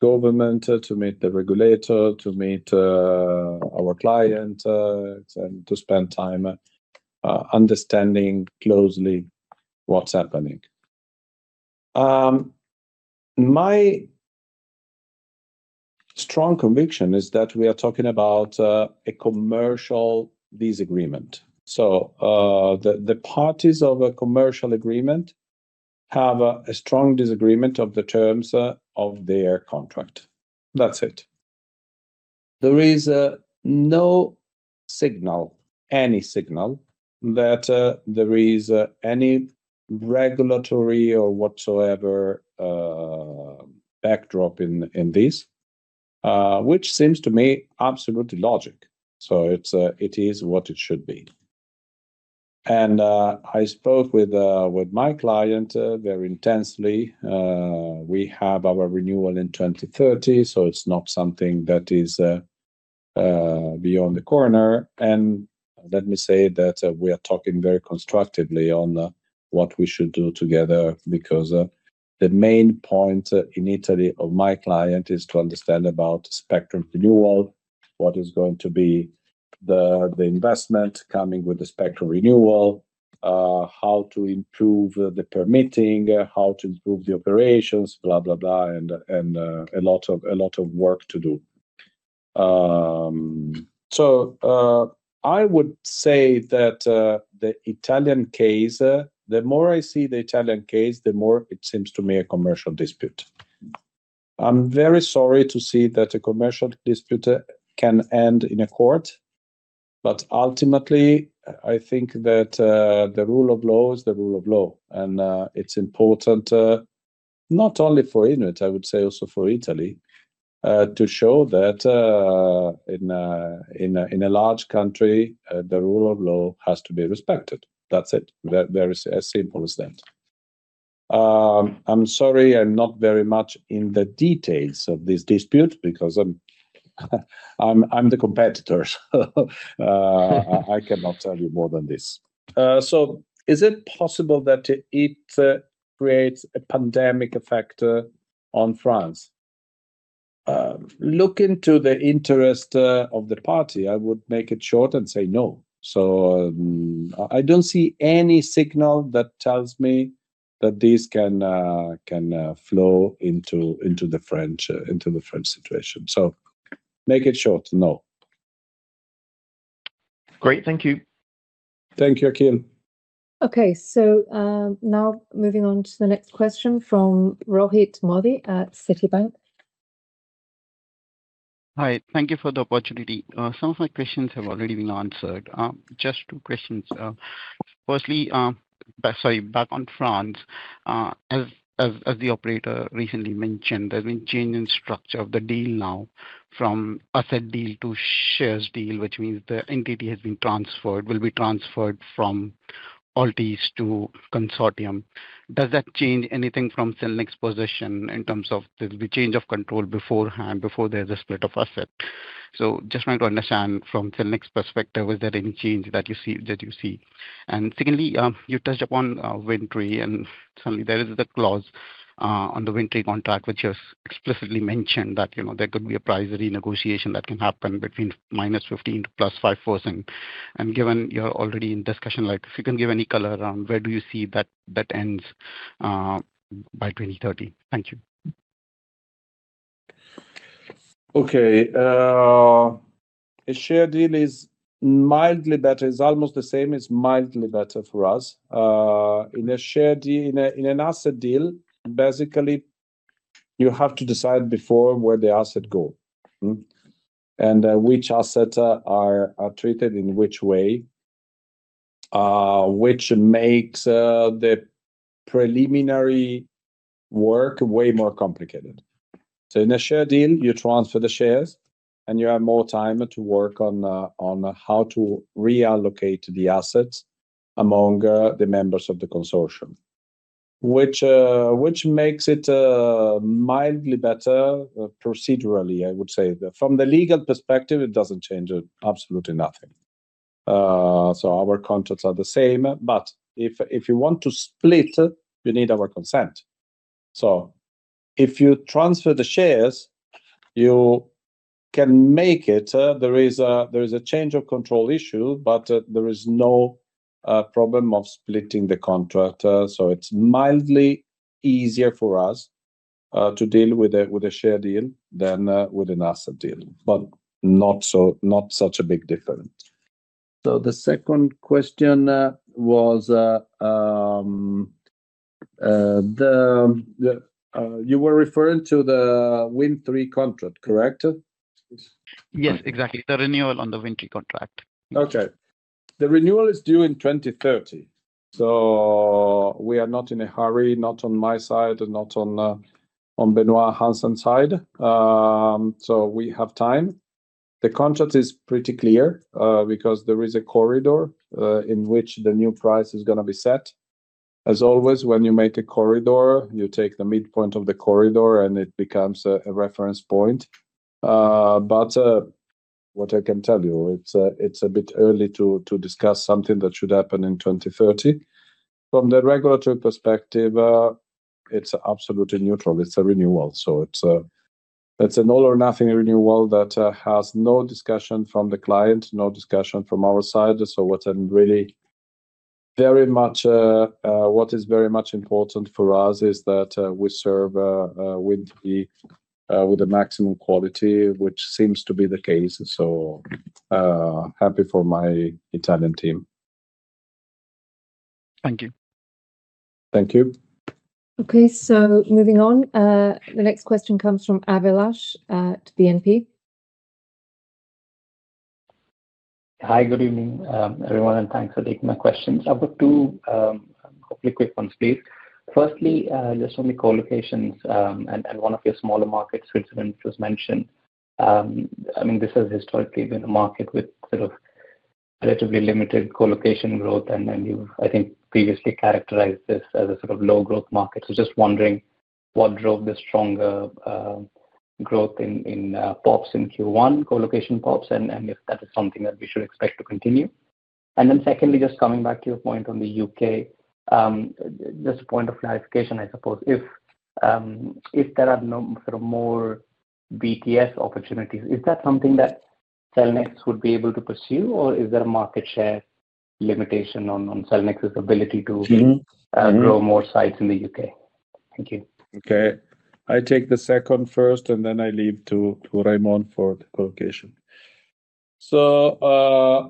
B: government, to meet the regulator, to meet our client, and to spend time understanding closely what is happening. My strong conviction is that we are talking about a commercial disagreement. The parties of a commercial agreement have a strong disagreement of the terms of their contract. That's it. There is no signal, any signal that there is any regulatory or whatsoever backdrop in this, which seems to me absolutely logic. It's what it should be. I spoke with my client very intensely. We have our renewal in 2030, so it's not something that is beyond the corner. Let me say that we are talking very constructively on what we should do together because the main point in Italy of my client is to understand about spectrum renewal, what is going to be the investment coming with the spectrum renewal, how to improve the permitting, how to improve the operations, blah, blah, and a lot of work to do. I would say that the Italian case, the more I see the Italian case, the more it seems to me a commercial dispute. I'm very sorry to see that a commercial dispute can end in a court. Ultimately, I think that the rule of law is the rule of law. It's important not only for Enel, I would say also for Italy, to show that in a large country, the rule of law has to be respected. That's it. Very as simple as that. I'm sorry I'm not very much in the details of this dispute because I'm the competitor, I cannot tell you more than this. Is it possible that it creates a pandemic effect on France? Look into the interest of the party. I would make it short and say no. I don't see any signal that tells me that this can flow into the French situation. Make it short, no.
F: Great. Thank you.
B: Thank you, Akhil.
A: Okay. Now moving on to the next question from Rohit Modi at Citibank.
G: Hi. Thank you for the opportunity. Some of my questions have already been answered. Just two questions. Firstly, back on France. As the operator recently mentioned, there's been change in structure of the deal now from asset deal to shares deal, which means the entity will be transferred from Altice to consortium. Does that change anything from Cellnex position in terms of there'll be change of control beforehand, before there's a split of asset? Just trying to understand from Cellnex perspective, was there any change that you see? Secondly, you touched upon WINDTRE, and suddenly there is the clause on the WINDTRE contract which has explicitly mentioned that, you know, there could be a pricing negotiation that can happen between -15% to +5%. Given you're already in discussion, like if you can give any color around where do you see that ends by 2030? Thank you.
B: Okay. A share deal is mildly better. It's almost the same, it's mildly better for us. In an asset deal, basically you have to decide before where the asset go, and which asset are treated in which way, which makes the preliminary work way more complicated. In a share deal, you transfer the shares and you have more time to work on how to reallocate the assets among the members of the consortium, which makes it mildly better procedurally, I would say. From the legal perspective, it doesn't change absolutely nothing. Our contracts are the same, but if you want to split, you need our consent. If you transfer the shares, you can make it, there is a change of control issue, but there is no problem of splitting the contract. It's mildly easier for us to deal with a share deal than with an asset deal, but not so, not such a big difference. The second question was, you were referring to the WINDTRE contract, correct?
G: Yes, exactly. The renewal on the WINDTRE contract.
B: Okay. The renewal is due in 2030. We are not in a hurry, not on my side and not on Benoit Hanssen side. We have time. The contract is pretty clear, because there is a corridor in which the new price is gonna be set. As always, when you make a corridor, you take the midpoint of the corridor, and it becomes a reference point. What I can tell you, it's a bit early to discuss something that should happen in 2030. From the regulatory perspective, it's absolutely neutral. It's a renewal. It's an all or nothing renewal that has no discussion from the client, no discussion from our side. What I'm really very much, what is very much important for us is that we serve with the maximum quality, which seems to be the case. Happy for my Italian team.
G: Thank you.
B: Thank you.
A: Okay. Moving on. The next question comes from Abhilash Mohapatra at BNP Paribas.
H: Hi. Good evening, everyone, and thanks for taking my questions. I've got two, couple of quick ones, please. Firstly, just on the colocations, and one of your smaller markets, Switzerland, which was mentioned. I mean, this has historically been a market with sort of relatively limited colocation growth, and then you've, I think, previously characterized this as a sort of low growth market. Just wondering what drove the stronger growth in PoPs in Q1? Colocation PoPs and if that is something that we should expect to continue? Secondly, just coming back to your point on the U.K., just a point of clarification, I suppose. If there are no sort of more BTS opportunities, is that something that Cellnex would be able to pursue? Or is there a market share limitation on Cellnex's ability to grow more sites in the U.K.? Thank you.
B: Okay. I take the second first, and then I leave to Raimon for the colocation.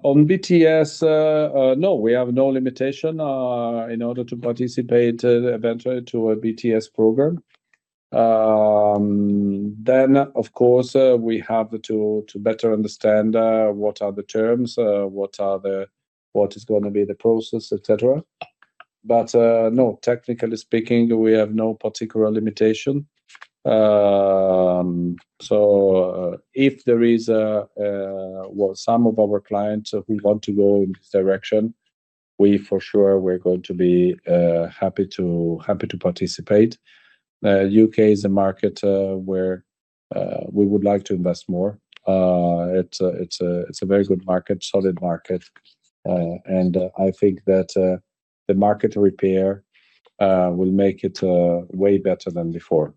B: On BTS, no, we have no limitation in order to participate eventually to a BTS program. Of course, we have to better understand what are the terms, what is gonna be the process, et cetera. No, technically speaking, we have no particular limitation. If there is a, well, some of our clients who want to go in this direction, we for sure we're going to be happy to participate. U.K. is a market where we would like to invest more. It's a very good market, solid market. I think that the market repair will make it way better than before.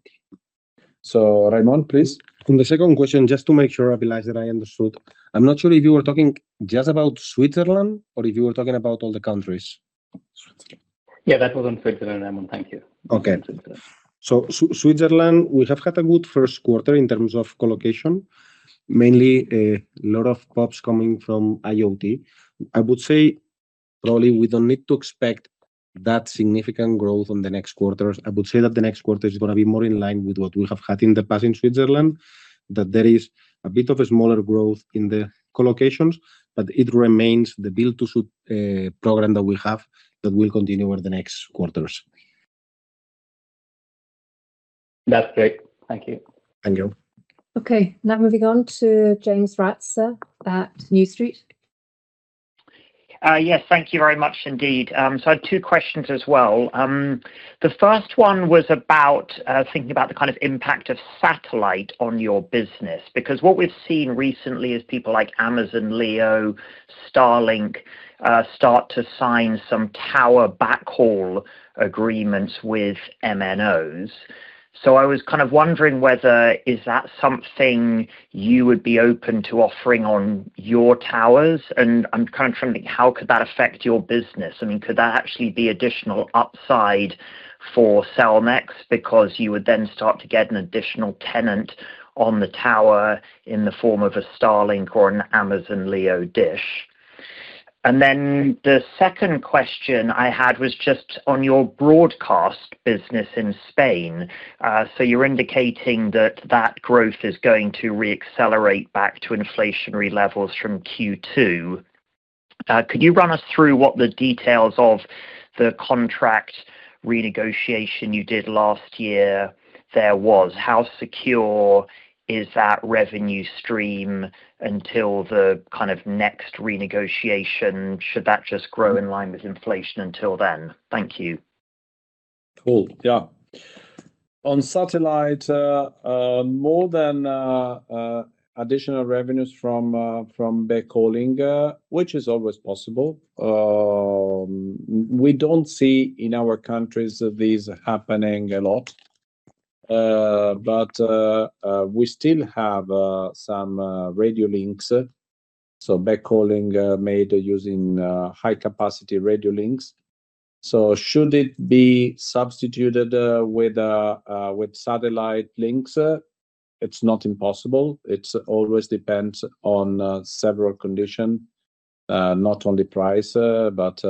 B: Raimon, please.
C: On the second question, just to make sure I realize that I understood. I'm not sure if you were talking just about Switzerland or if you were talking about all the countries?
H: Switzerland. Yeah, that was on Switzerland, Raimon. Thank you.
C: Okay. Switzerland, we have had a good first quarter in terms of colocation. Mainly a lot of POPs coming from IoT. I would say, probably we don't need to expect that significant growth on the next quarters. I would say that the next quarter is gonna be more in line with what we have had in the past in Switzerland, that there is a bit of a smaller growth in the colocations, but it remains the build-to-suit program that we have that will continue over the next quarters.
H: That's great. Thank you.
C: Thank you.
A: Okay. Moving on to James Ratzer at New Street.
I: Yes. Thank you very much indeed. I had two questions as well. The first one was about thinking about the kind of impact of satellite on your business, because what we've seen recently is people like Amazon Leo, Starlink, start to sign some tower backhaul agreements with MNOs. I was kind of wondering whether is that something you would be open to offering on your towers? I'm kind of trying to think how could that affect your business? I mean, could that actually be additional upside for Cellnex because you would then start to get an additional tenant on the tower in the form of a Starlink or an Amazon Leo dish? The second question I had was just on your broadcast business in Spain. You're indicating that that growth is going to re-accelerate back to inflationary levels from Q2. Could you run us through what the details of the contract renegotiation you did last year there was? How secure is that revenue stream until the kind of next renegotiation? Should that just grow in line with inflation until then? Thank you.
B: Cool. Yeah. On satellite, more than additional revenues from backhauling, which is always possible. We don't see in our countries this happening a lot. But we still have some radio links, so backhauling made using high-capacity radio links. Should it be substituted with satellite links? It's not impossible. It always depends on several condition, not only price, but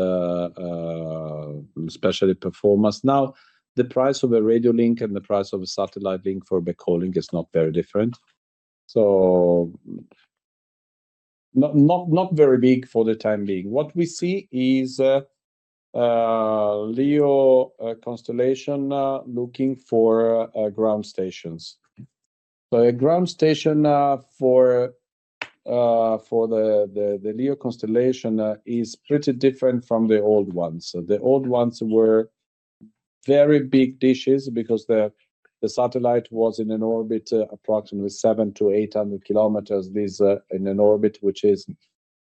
B: especially performance. Now, the price of a radio link and the price of a satellite link for backhauling is not very different. Not very big for the time being. What we see is LEO constellation looking for ground stations. A ground station for the LEO constellation is pretty different from the old ones. The old ones were very big dishes because the satellite was in an orbit approximately 700km-800 km. These are in an orbit which is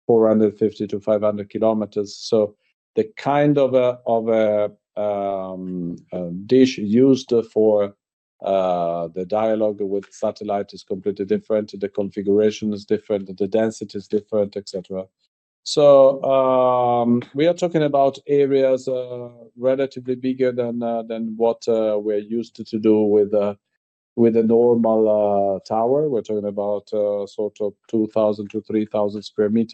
B: 450km-500 km. The kind of a dish used for the dialogue with satellite is completely different. The configuration is different, the density is different, et cetera. We are talking about areas relatively bigger than what we're used to do with a normal tower. We're talking about sort of 2,000 sq m-3,000 sq m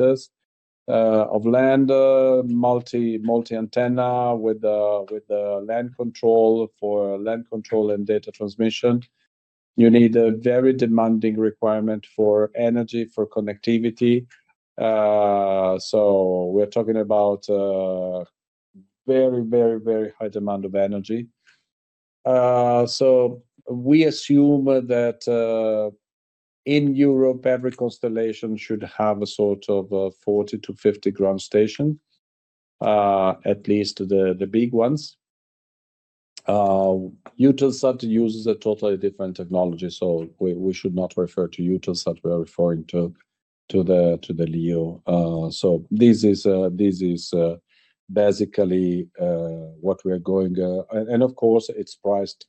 B: of land, multi-antenna with land control for land control and data transmission. You need a very demanding requirement for energy, for connectivity. We're talking about very, very, very high demand of energy. We assume that in Europe, every constellation should have a sort of a 40 ground station-50 ground station, at least the big ones. Eutelsat uses a totally different technology, we should not refer to Eutelsat. We are referring to the LEO. This is basically what we are going. Of course, it's priced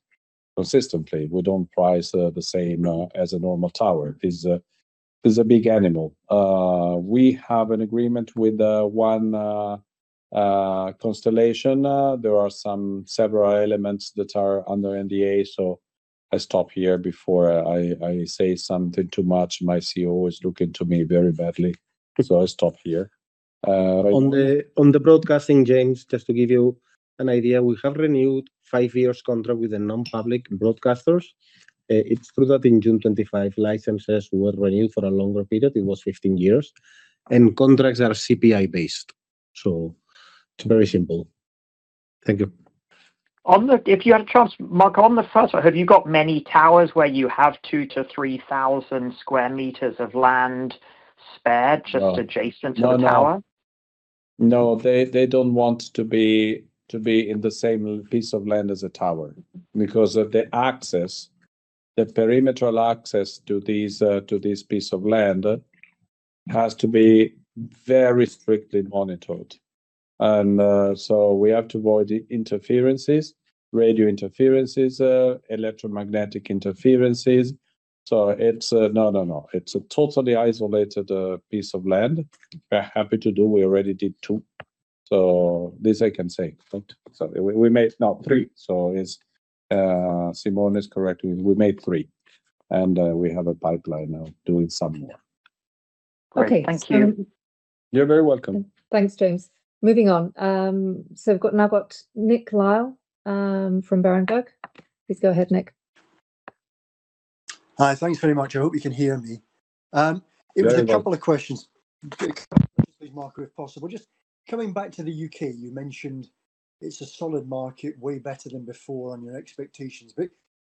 B: consistently. We don't price the same as a normal tower. This a big animal. We have an agreement with one constellation. There are some several elements that are under NDA, so I stop here before I say something too much. My CEO is looking to me very badly, so I stop here.
C: On the broadcasting, James, just to give you an idea, we have renewed five years contract with the non-public broadcasters. It's true that in June 2025, licenses were renewed for a longer period, it was 15 years, and contracts are CPI-based. It's very simple. Thank you.
I: If you had a chance, Marco, on the first one, have you got many towers where you have 2,000 sq m-3,000 sq m of land spare?
B: No.
I: Just adjacent to the tower?
B: No. They don't want to be in the same piece of land as a tower because of the access. The perimeter access to this piece of land has to be very strictly monitored. We have to avoid interferences, radio interferences, electromagnetic interferences. It's a totally isolated piece of land. We're happy to do. We already did two. This I can say. We made now three, Simone Battiferri is correct. We made three, we have a pipeline now doing some more.
I: Okay. Thank you.
B: You're very welcome.
A: Thanks, James. Moving on. We've now got Nick Lyall, from Berenberg. Please go ahead, Nick.
J: Hi. Thanks very much. I hope you can hear me.
B: Very well.
J: It was a couple of questions, quick questions please, Marco, if possible. Just coming back to the U.K., you mentioned it's a solid market, way better than before on your expectations.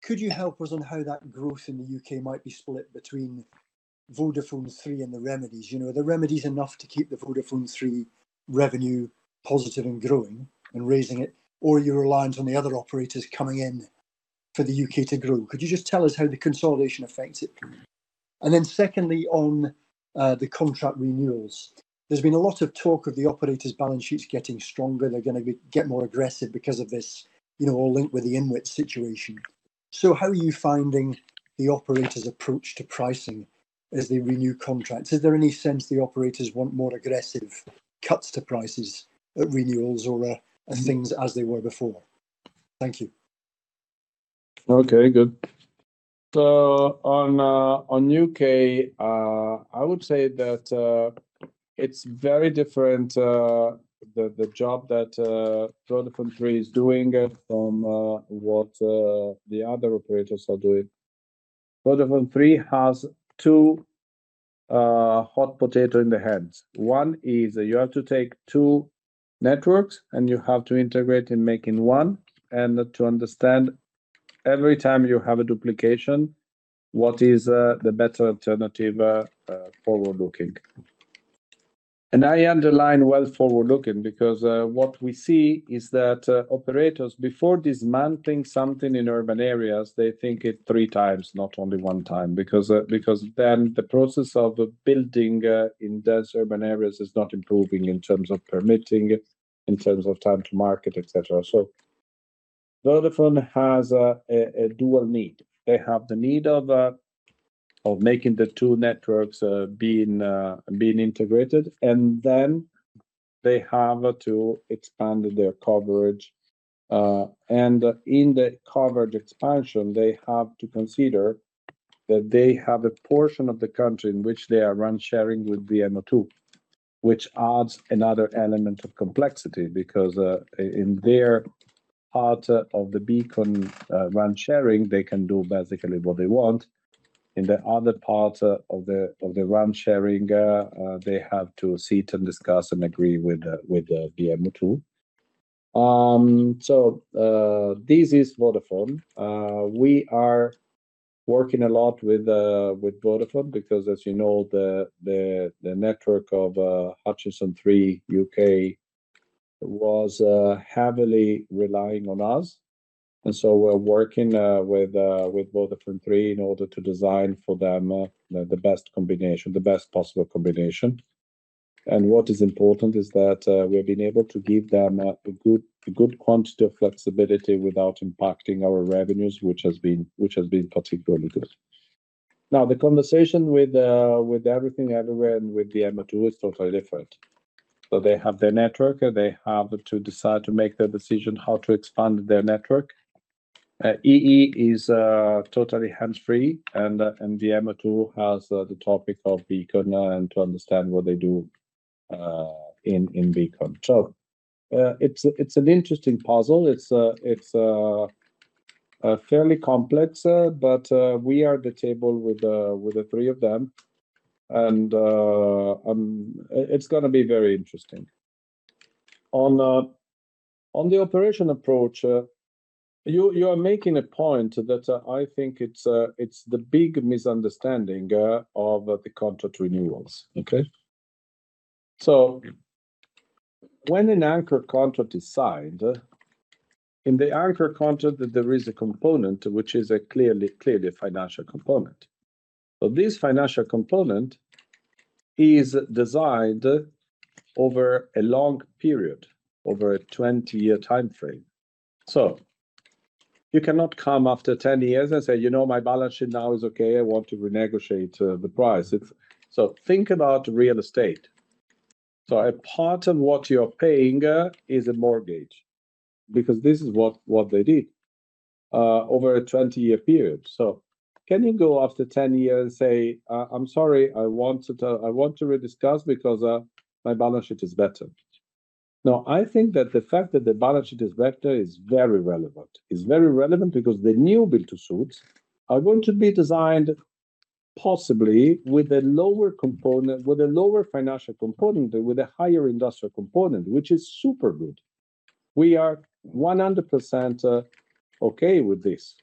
J: Could you help us on how that growth in the U.K. might be split between VodafoneThree and the remedies? You know, are the remedies enough to keep the VodafoneThree revenue positive and growing and raising it? Or are you reliant on the other operators coming in for the U.K. to grow? Could you just tell us how the consolidation affects it? Secondly, on the contract renewals, there's been a lot of talk of the operators' balance sheets getting stronger. They're gonna get more aggressive because of this, you know, all linked with the INWIT situation. How are you finding the operators' approach to pricing as they renew contracts? Is there any sense the operators want more aggressive cuts to prices at renewals or things as they were before? Thank you.
B: Okay, good. On the U.K., I would say that it's very different the job that VodafoneThree is doing it from what the other operators are doing. VodafoneThree has two hot potato in the hands. One is you have to take two networks, and you have to integrate in making one and to understand every time you have a duplication, what is the better alternative forward-looking. I underline well forward-looking because what we see is that operators, before dismantling something in urban areas, they think it three times, not only one time. Because then the process of building in dense urban areas is not improving in terms of permitting, in terms of time to market, et cetera. Vodafone has a dual need. They have the need of making the two networks being integrated, and then they have to expand their coverage. In the coverage expansion, they have to consider that they have a portion of the country in which they are RAN sharing with VMO2, which adds another element of complexity because in their part of the beacon RAN sharing, they can do basically what they want. In the other part of the RAN sharing, they have to sit and discuss and agree with VMO2. This is Vodafone. We are working a lot with Vodafone because as you know the network of Hutchison 3G U.K. was heavily relying on us. We're working with VodafoneThree in order to design for them the best combination, the best possible combination. What is important is that we have been able to give them a good, a good quantity of flexibility without impacting our revenues, which has been particularly good. The conversation with Everything Everywhere and with the VMO2 is totally different. They have their network, they have to decide to make the decision how to expand their network. EE is totally hands-free and the VMO2 has the topic of Beacon now and to understand what they do in Beacon. It's an interesting puzzle. It's fairly complex, but, we are at the table with the three of them and, it's gonna be very interesting. On the operation approach, you are making a point that, I think it's the big misunderstanding, of the contract renewals. Okay? When an anchor contract is signed, in the anchor contract there is a component which is a clearly a financial component. This financial component is designed over a long period, over a 20-year timeframe. You cannot come after 10 years and say, you know, my balance sheet now is okay, I want to renegotiate, the price. Think about real estate. A part in what you're paying is a mortgage because this is what they did. Over a 20-year period. Can you go after 10 years and say, I'm sorry, I want to rediscuss because my balance sheet is better? I think that the fact that the balance sheet is better is very relevant. It's very relevant because the new build-to-suits are going to be designed possibly with a lower component, with a lower financial component, with a higher industrial component, which is super good. We are 100% okay with this.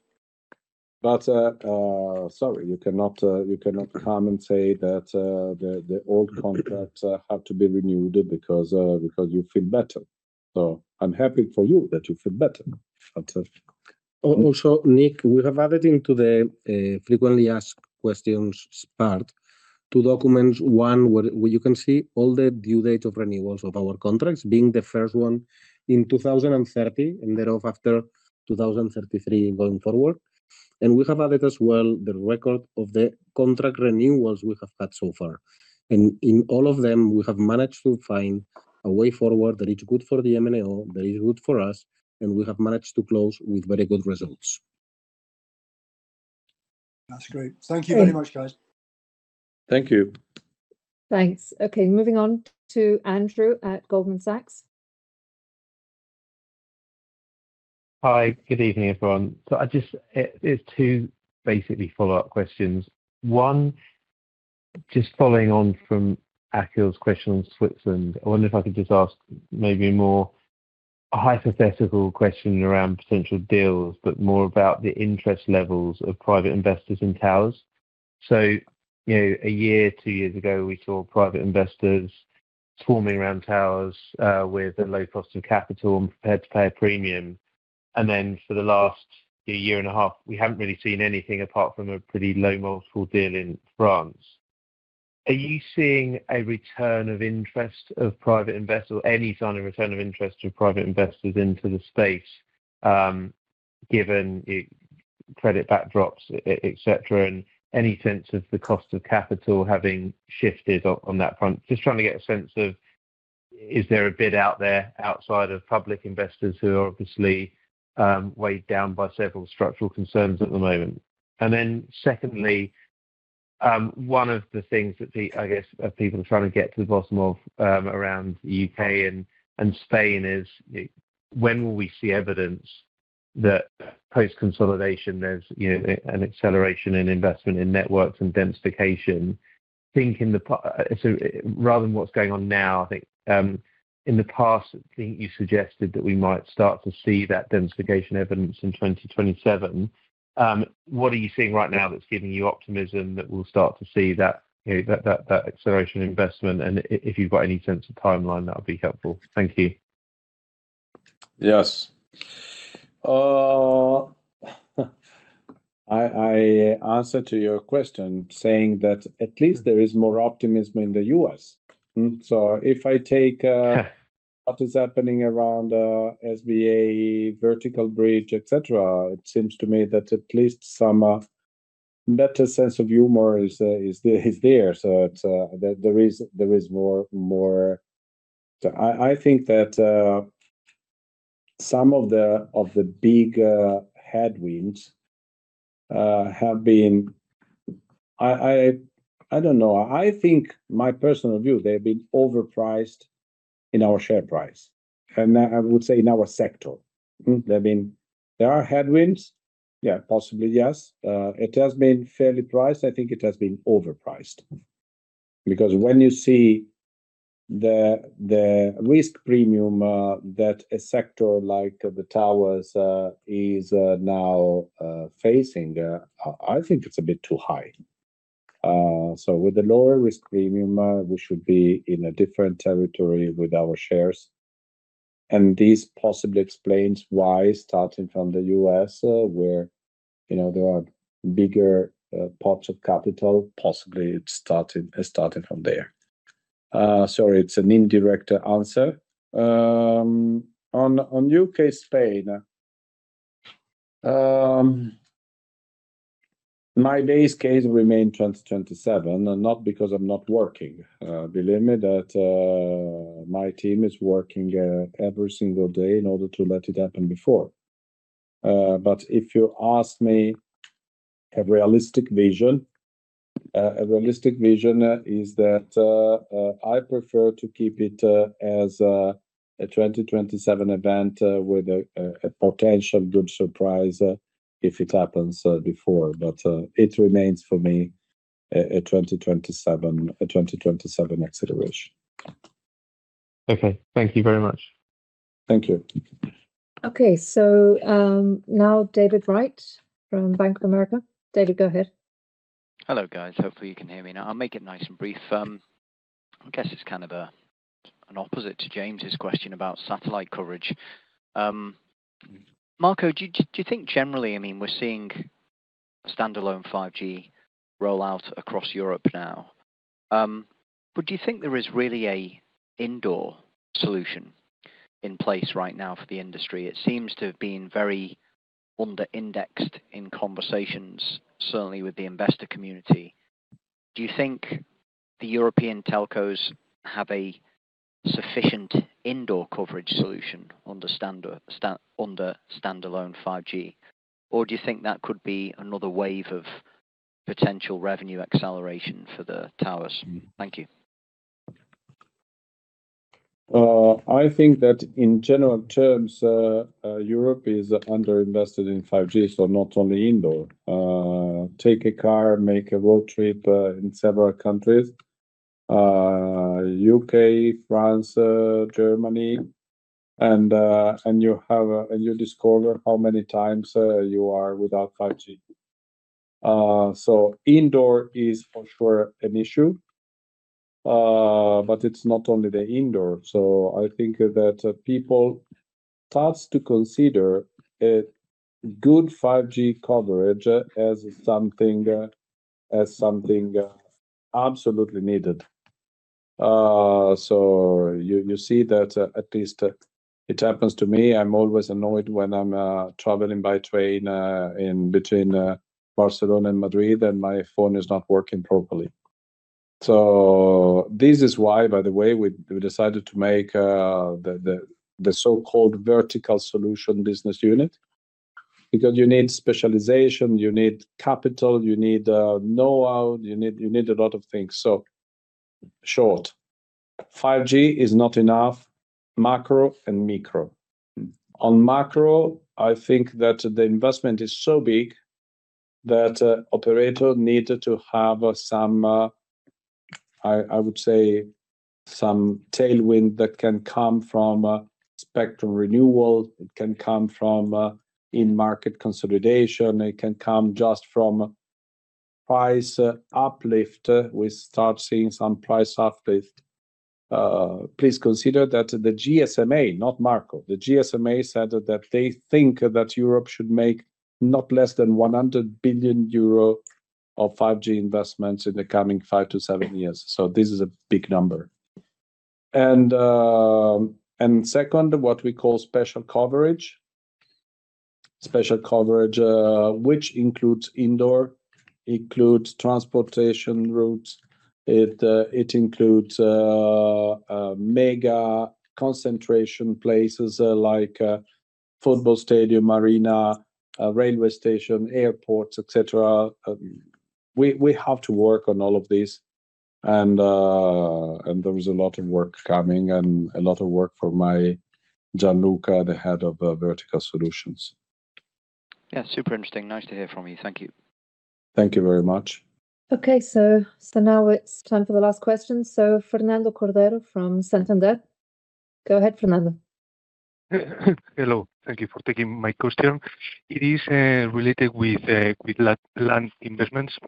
B: Sorry, you cannot come and say that the old contracts have to be renewed because because you feel better. I'm happy for you that you feel better.
C: Nick, we have added into the frequently asked questions part two documents. One where you can see all the due date of renewals of our contracts being the first one in 2030 and thereof after 2033 going forward. We have added as well the record of the contract renewals we have had so far. In all of them we have managed to find a way forward that is good for the MNO, that is good for us, and we have managed to close with very good results.
J: That's great. Thank you very much, guys.
B: Thank you.
A: Thanks. Moving on to Andrew Lee at Goldman Sachs.
K: Hi. Good evening, everyone. I just, it's two basically follow-up questions. One, just following on from Akhil's question on Switzerland, I wonder if I could just ask maybe more a hypothetical question around potential deals, but more about the interest levels of private investors in towers. You know, a year, two years ago, we saw private investors swarming around towers, with a low cost of capital and prepared to pay a premium, and then for the last a 1.5, we haven't really seen anything apart from a pretty low multiple deal in France. Are you seeing a return of interest of private investors or any sign of return of interest of private investors into the space, given the credit backdrops, et cetera? Any sense of the cost of capital having shifted on that front? Just trying to get a sense of is there a bid out there outside of public investors who are obviously weighed down by several structural concerns at the moment. Secondly, I guess people are trying to get to the bottom of around the U.K. and Spain is when will we see evidence that post-consolidation there's, you know, an acceleration in investment in networks and densification? Rather than what's going on now, I think in the past, I think you suggested that we might start to see that densification evidence in 2027. What are you seeing right now that's giving you optimism that we'll start to see that, you know, that acceleration investment? If you've got any sense of timeline, that would be helpful. Thank you.
B: I answer to your question saying that at least there is more optimism in the U.S. If I take what is happening around SBA, Vertical Bridge, et cetera, it seems to me that at least some better sense of humor is there. There is more. I think that some of the big headwinds have been, I don't know. I think, my personal view, they have been overpriced in our share price, and I would say in our sector. There have been. There are headwinds. Yeah, possibly, yes. It has been fairly priced. I think it has been overpriced. When you see the risk premium that a sector like the towers is now facing, I think it's a bit too high. With the lower risk premium, we should be in a different territory with our shares, and this possibly explains why starting from the U.S., where, you know, there are bigger pots of capital, possibly it started from there. Sorry, it's an indirect answer. On U.K., Spain, my base case remain 2027, and not because I'm not working. Believe me that my team is working every single day in order to let it happen before. If you ask me a realistic vision, a realistic vision is that I prefer to keep it as a 2027 event with a potential good surprise if it happens before. It remains for me a 2027 acceleration.
K: Okay. Thank you very much.
B: Thank you.
A: Okay. Now David Wright from Bank of America. David, go ahead.
L: Hello, guys. Hopefully you can hear me now. I will make it nice and brief. I guess it is kind of an opposite to James's question about satellite coverage. Marco, do you think generally, I mean, we are seeing standalone 5G rollout across Europe now. Do you think there is really an indoor solution in place right now for the industry? It seems to have been very under-indexed in conversations, certainly with the investor community. Do you think the European telcos have a sufficient indoor coverage solution under standalone 5G? Do you think that could be another wave of potential revenue acceleration for the towers? Thank you.
B: I think that in general terms, Europe is under-invested in 5G, so not only indoor. Take a car, make a road trip, in several countries, U.K., France, Germany, and you discover how many times you are without 5G. Indoor is for sure an issue, but it's not only the indoor. I think that people starts to consider a good 5G coverage as something absolutely needed. You see that, at least, it happens to me. I'm always annoyed when I'm traveling by train, in between Barcelona and Madrid, and my phone is not working properly. This is why, by the way, we decided to make the so-called Vertical Solution Business Unit because you need specialization, you need capital, you need know-how, you need a lot of things. Short, 5G is not enough, macro and micro. On macro, I think that the investment is so big that operator needed to have some, I would say, some tailwind that can come from spectrum renewal. It can come from in market consolidation. It can come just from price uplift. We start seeing some price uplift. Please consider that the GSMA, not Marco, the GSMA said that they think that Europe should make not less than 100 billion euro of 5G investments in the coming 5 years-7 years. This is a big number. Second, what we call special coverage. Special coverage, which includes indoor, includes transportation routes. It includes mega concentration places, like football stadium, arena, railway station, airports, et cetera. We have to work on all of these and there is a lot of work coming and a lot of work for my Gianluca, the Head of Vertical Solutions.
L: Yeah, super interesting. Nice to hear from you. Thank you.
B: Thank you very much.
A: Okay. Now it's time for the last question. Fernando Cordero from Santander. Go ahead, Fernando.
M: Hello. Thank you for taking my question. It is related with land investments.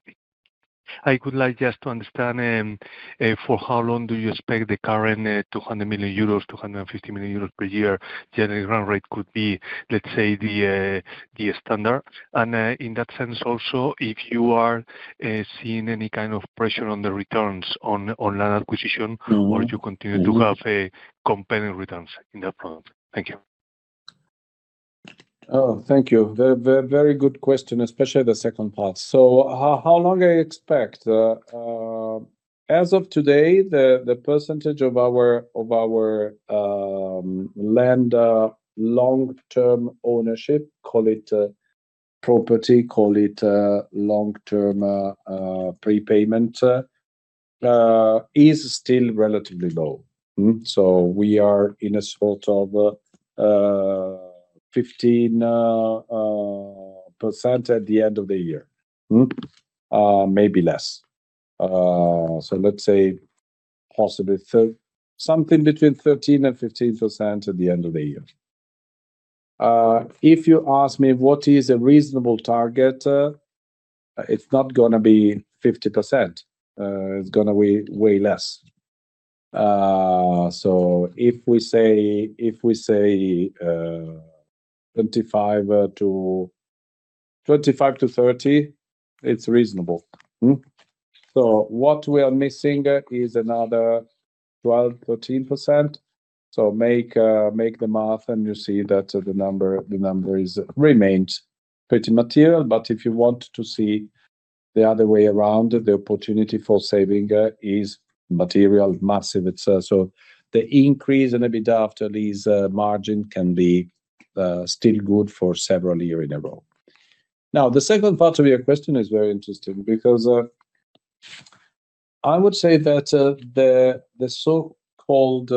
M: I would like just to understand for how long do you expect the current 200 million-250 million euros per year generate run rate could be, let's say, the standard? In that sense also, if you are seeing any kind of pressure on the returns on land acquisition? Or do you continue to have a compelling returns in the front? Thank you.
B: Oh, thank you. Very good question, especially the second part. How long I expect? As of today, the percentage of our land long-term ownership, call it property, call it long-term prepayment, is still relatively low. We are in a sort of 15% at the end of the year. Maybe less. Let's say possibly something between 13% and 15% at the end of the year. If you ask me what is a reasonable target, it's not gonna be 50%. It's gonna be way less. If we say 25%-30%, it's reasonable. What we are missing is another 12%-13%. Make, make the math, and you see that the number remains pretty material. If you want to see the other way around, the opportunity for saving is material massive. The increase in EBITDA after leases margin can be still good for several year in a row. The second part of your question is very interesting because I would say that the so-called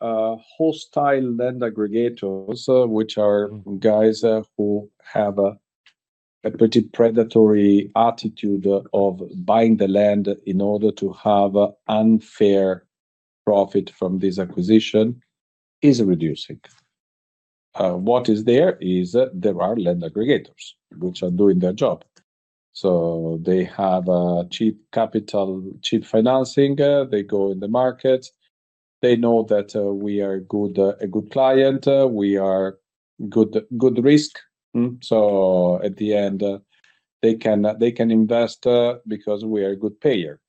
B: hostile land aggregators, which are guys who have a pretty predatory attitude of buying the land in order to have unfair profit from this acquisition, is reducing. What is there is there are land aggregators which are doing their job. They have cheap capital, cheap financing. They go in the market. They know that we are good client. We are good risk. At the end, they can invest because we are a good payer.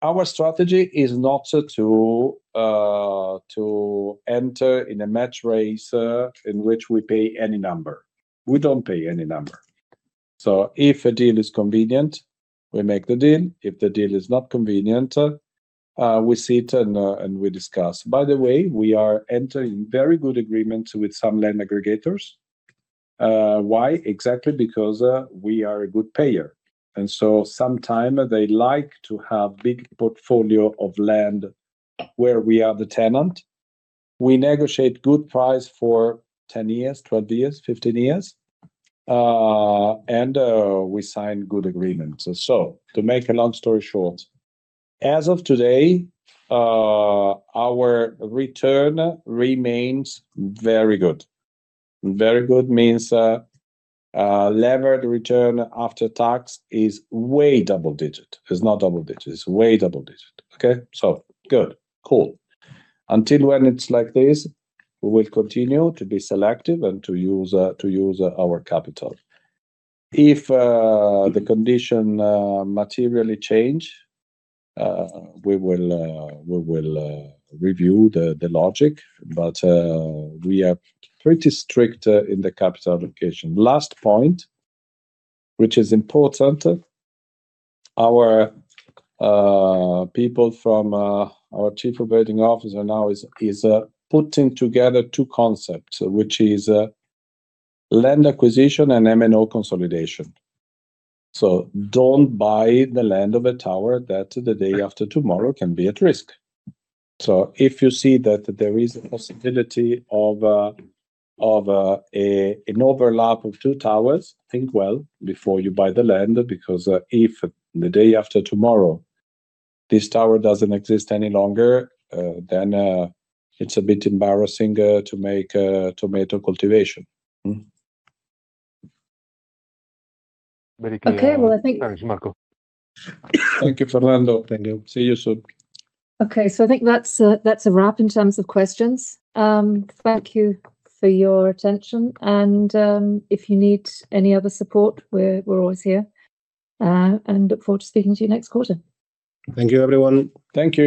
B: Our strategy is not to enter in a match race in which we pay any number. We don't pay any number. If a deal is convenient, we make the deal. If the deal is not convenient, we sit and we discuss. By the way, we are entering very good agreements with some land aggregators. Why? Exactly because we are a good payer, sometime they like to have big portfolio of land where we are the tenant. We negotiate good price for 10 years, 12 years, 15 years. We sign good agreements. To make a long story short, as of today, our return remains very good. Very good means levered return after tax is way double digit. It's not double digit. It's way double digit. Good. Cool. Until when it's like this, we will continue to be selective and to use our capital. If the condition materially change, we will review the logic, but we are pretty strict in the capital allocation. Last point, which is important. Our people from our Chief Operating Officer now is putting together two concepts, which is land acquisition and MNO consolidation. Don't buy the land of a tower that the day after tomorrow can be at risk. If you see that there is a possibility of an overlap of two towers, think well before you buy the land. Because if the day after tomorrow this tower doesn't exist any longer, then it's a bit embarrassing to make tomato cultivation.
M: Very clear.
A: Okay. Well, I think.
M: Thanks, Marco.
B: Thank you, Fernando. Thank you. See you soon.
A: Okay, I think that's a wrap in terms of questions. Thank you for your attention, and if you need any other support, we're always here. Look forward to speaking to you next quarter.
C: Thank you, everyone.
B: Thank you.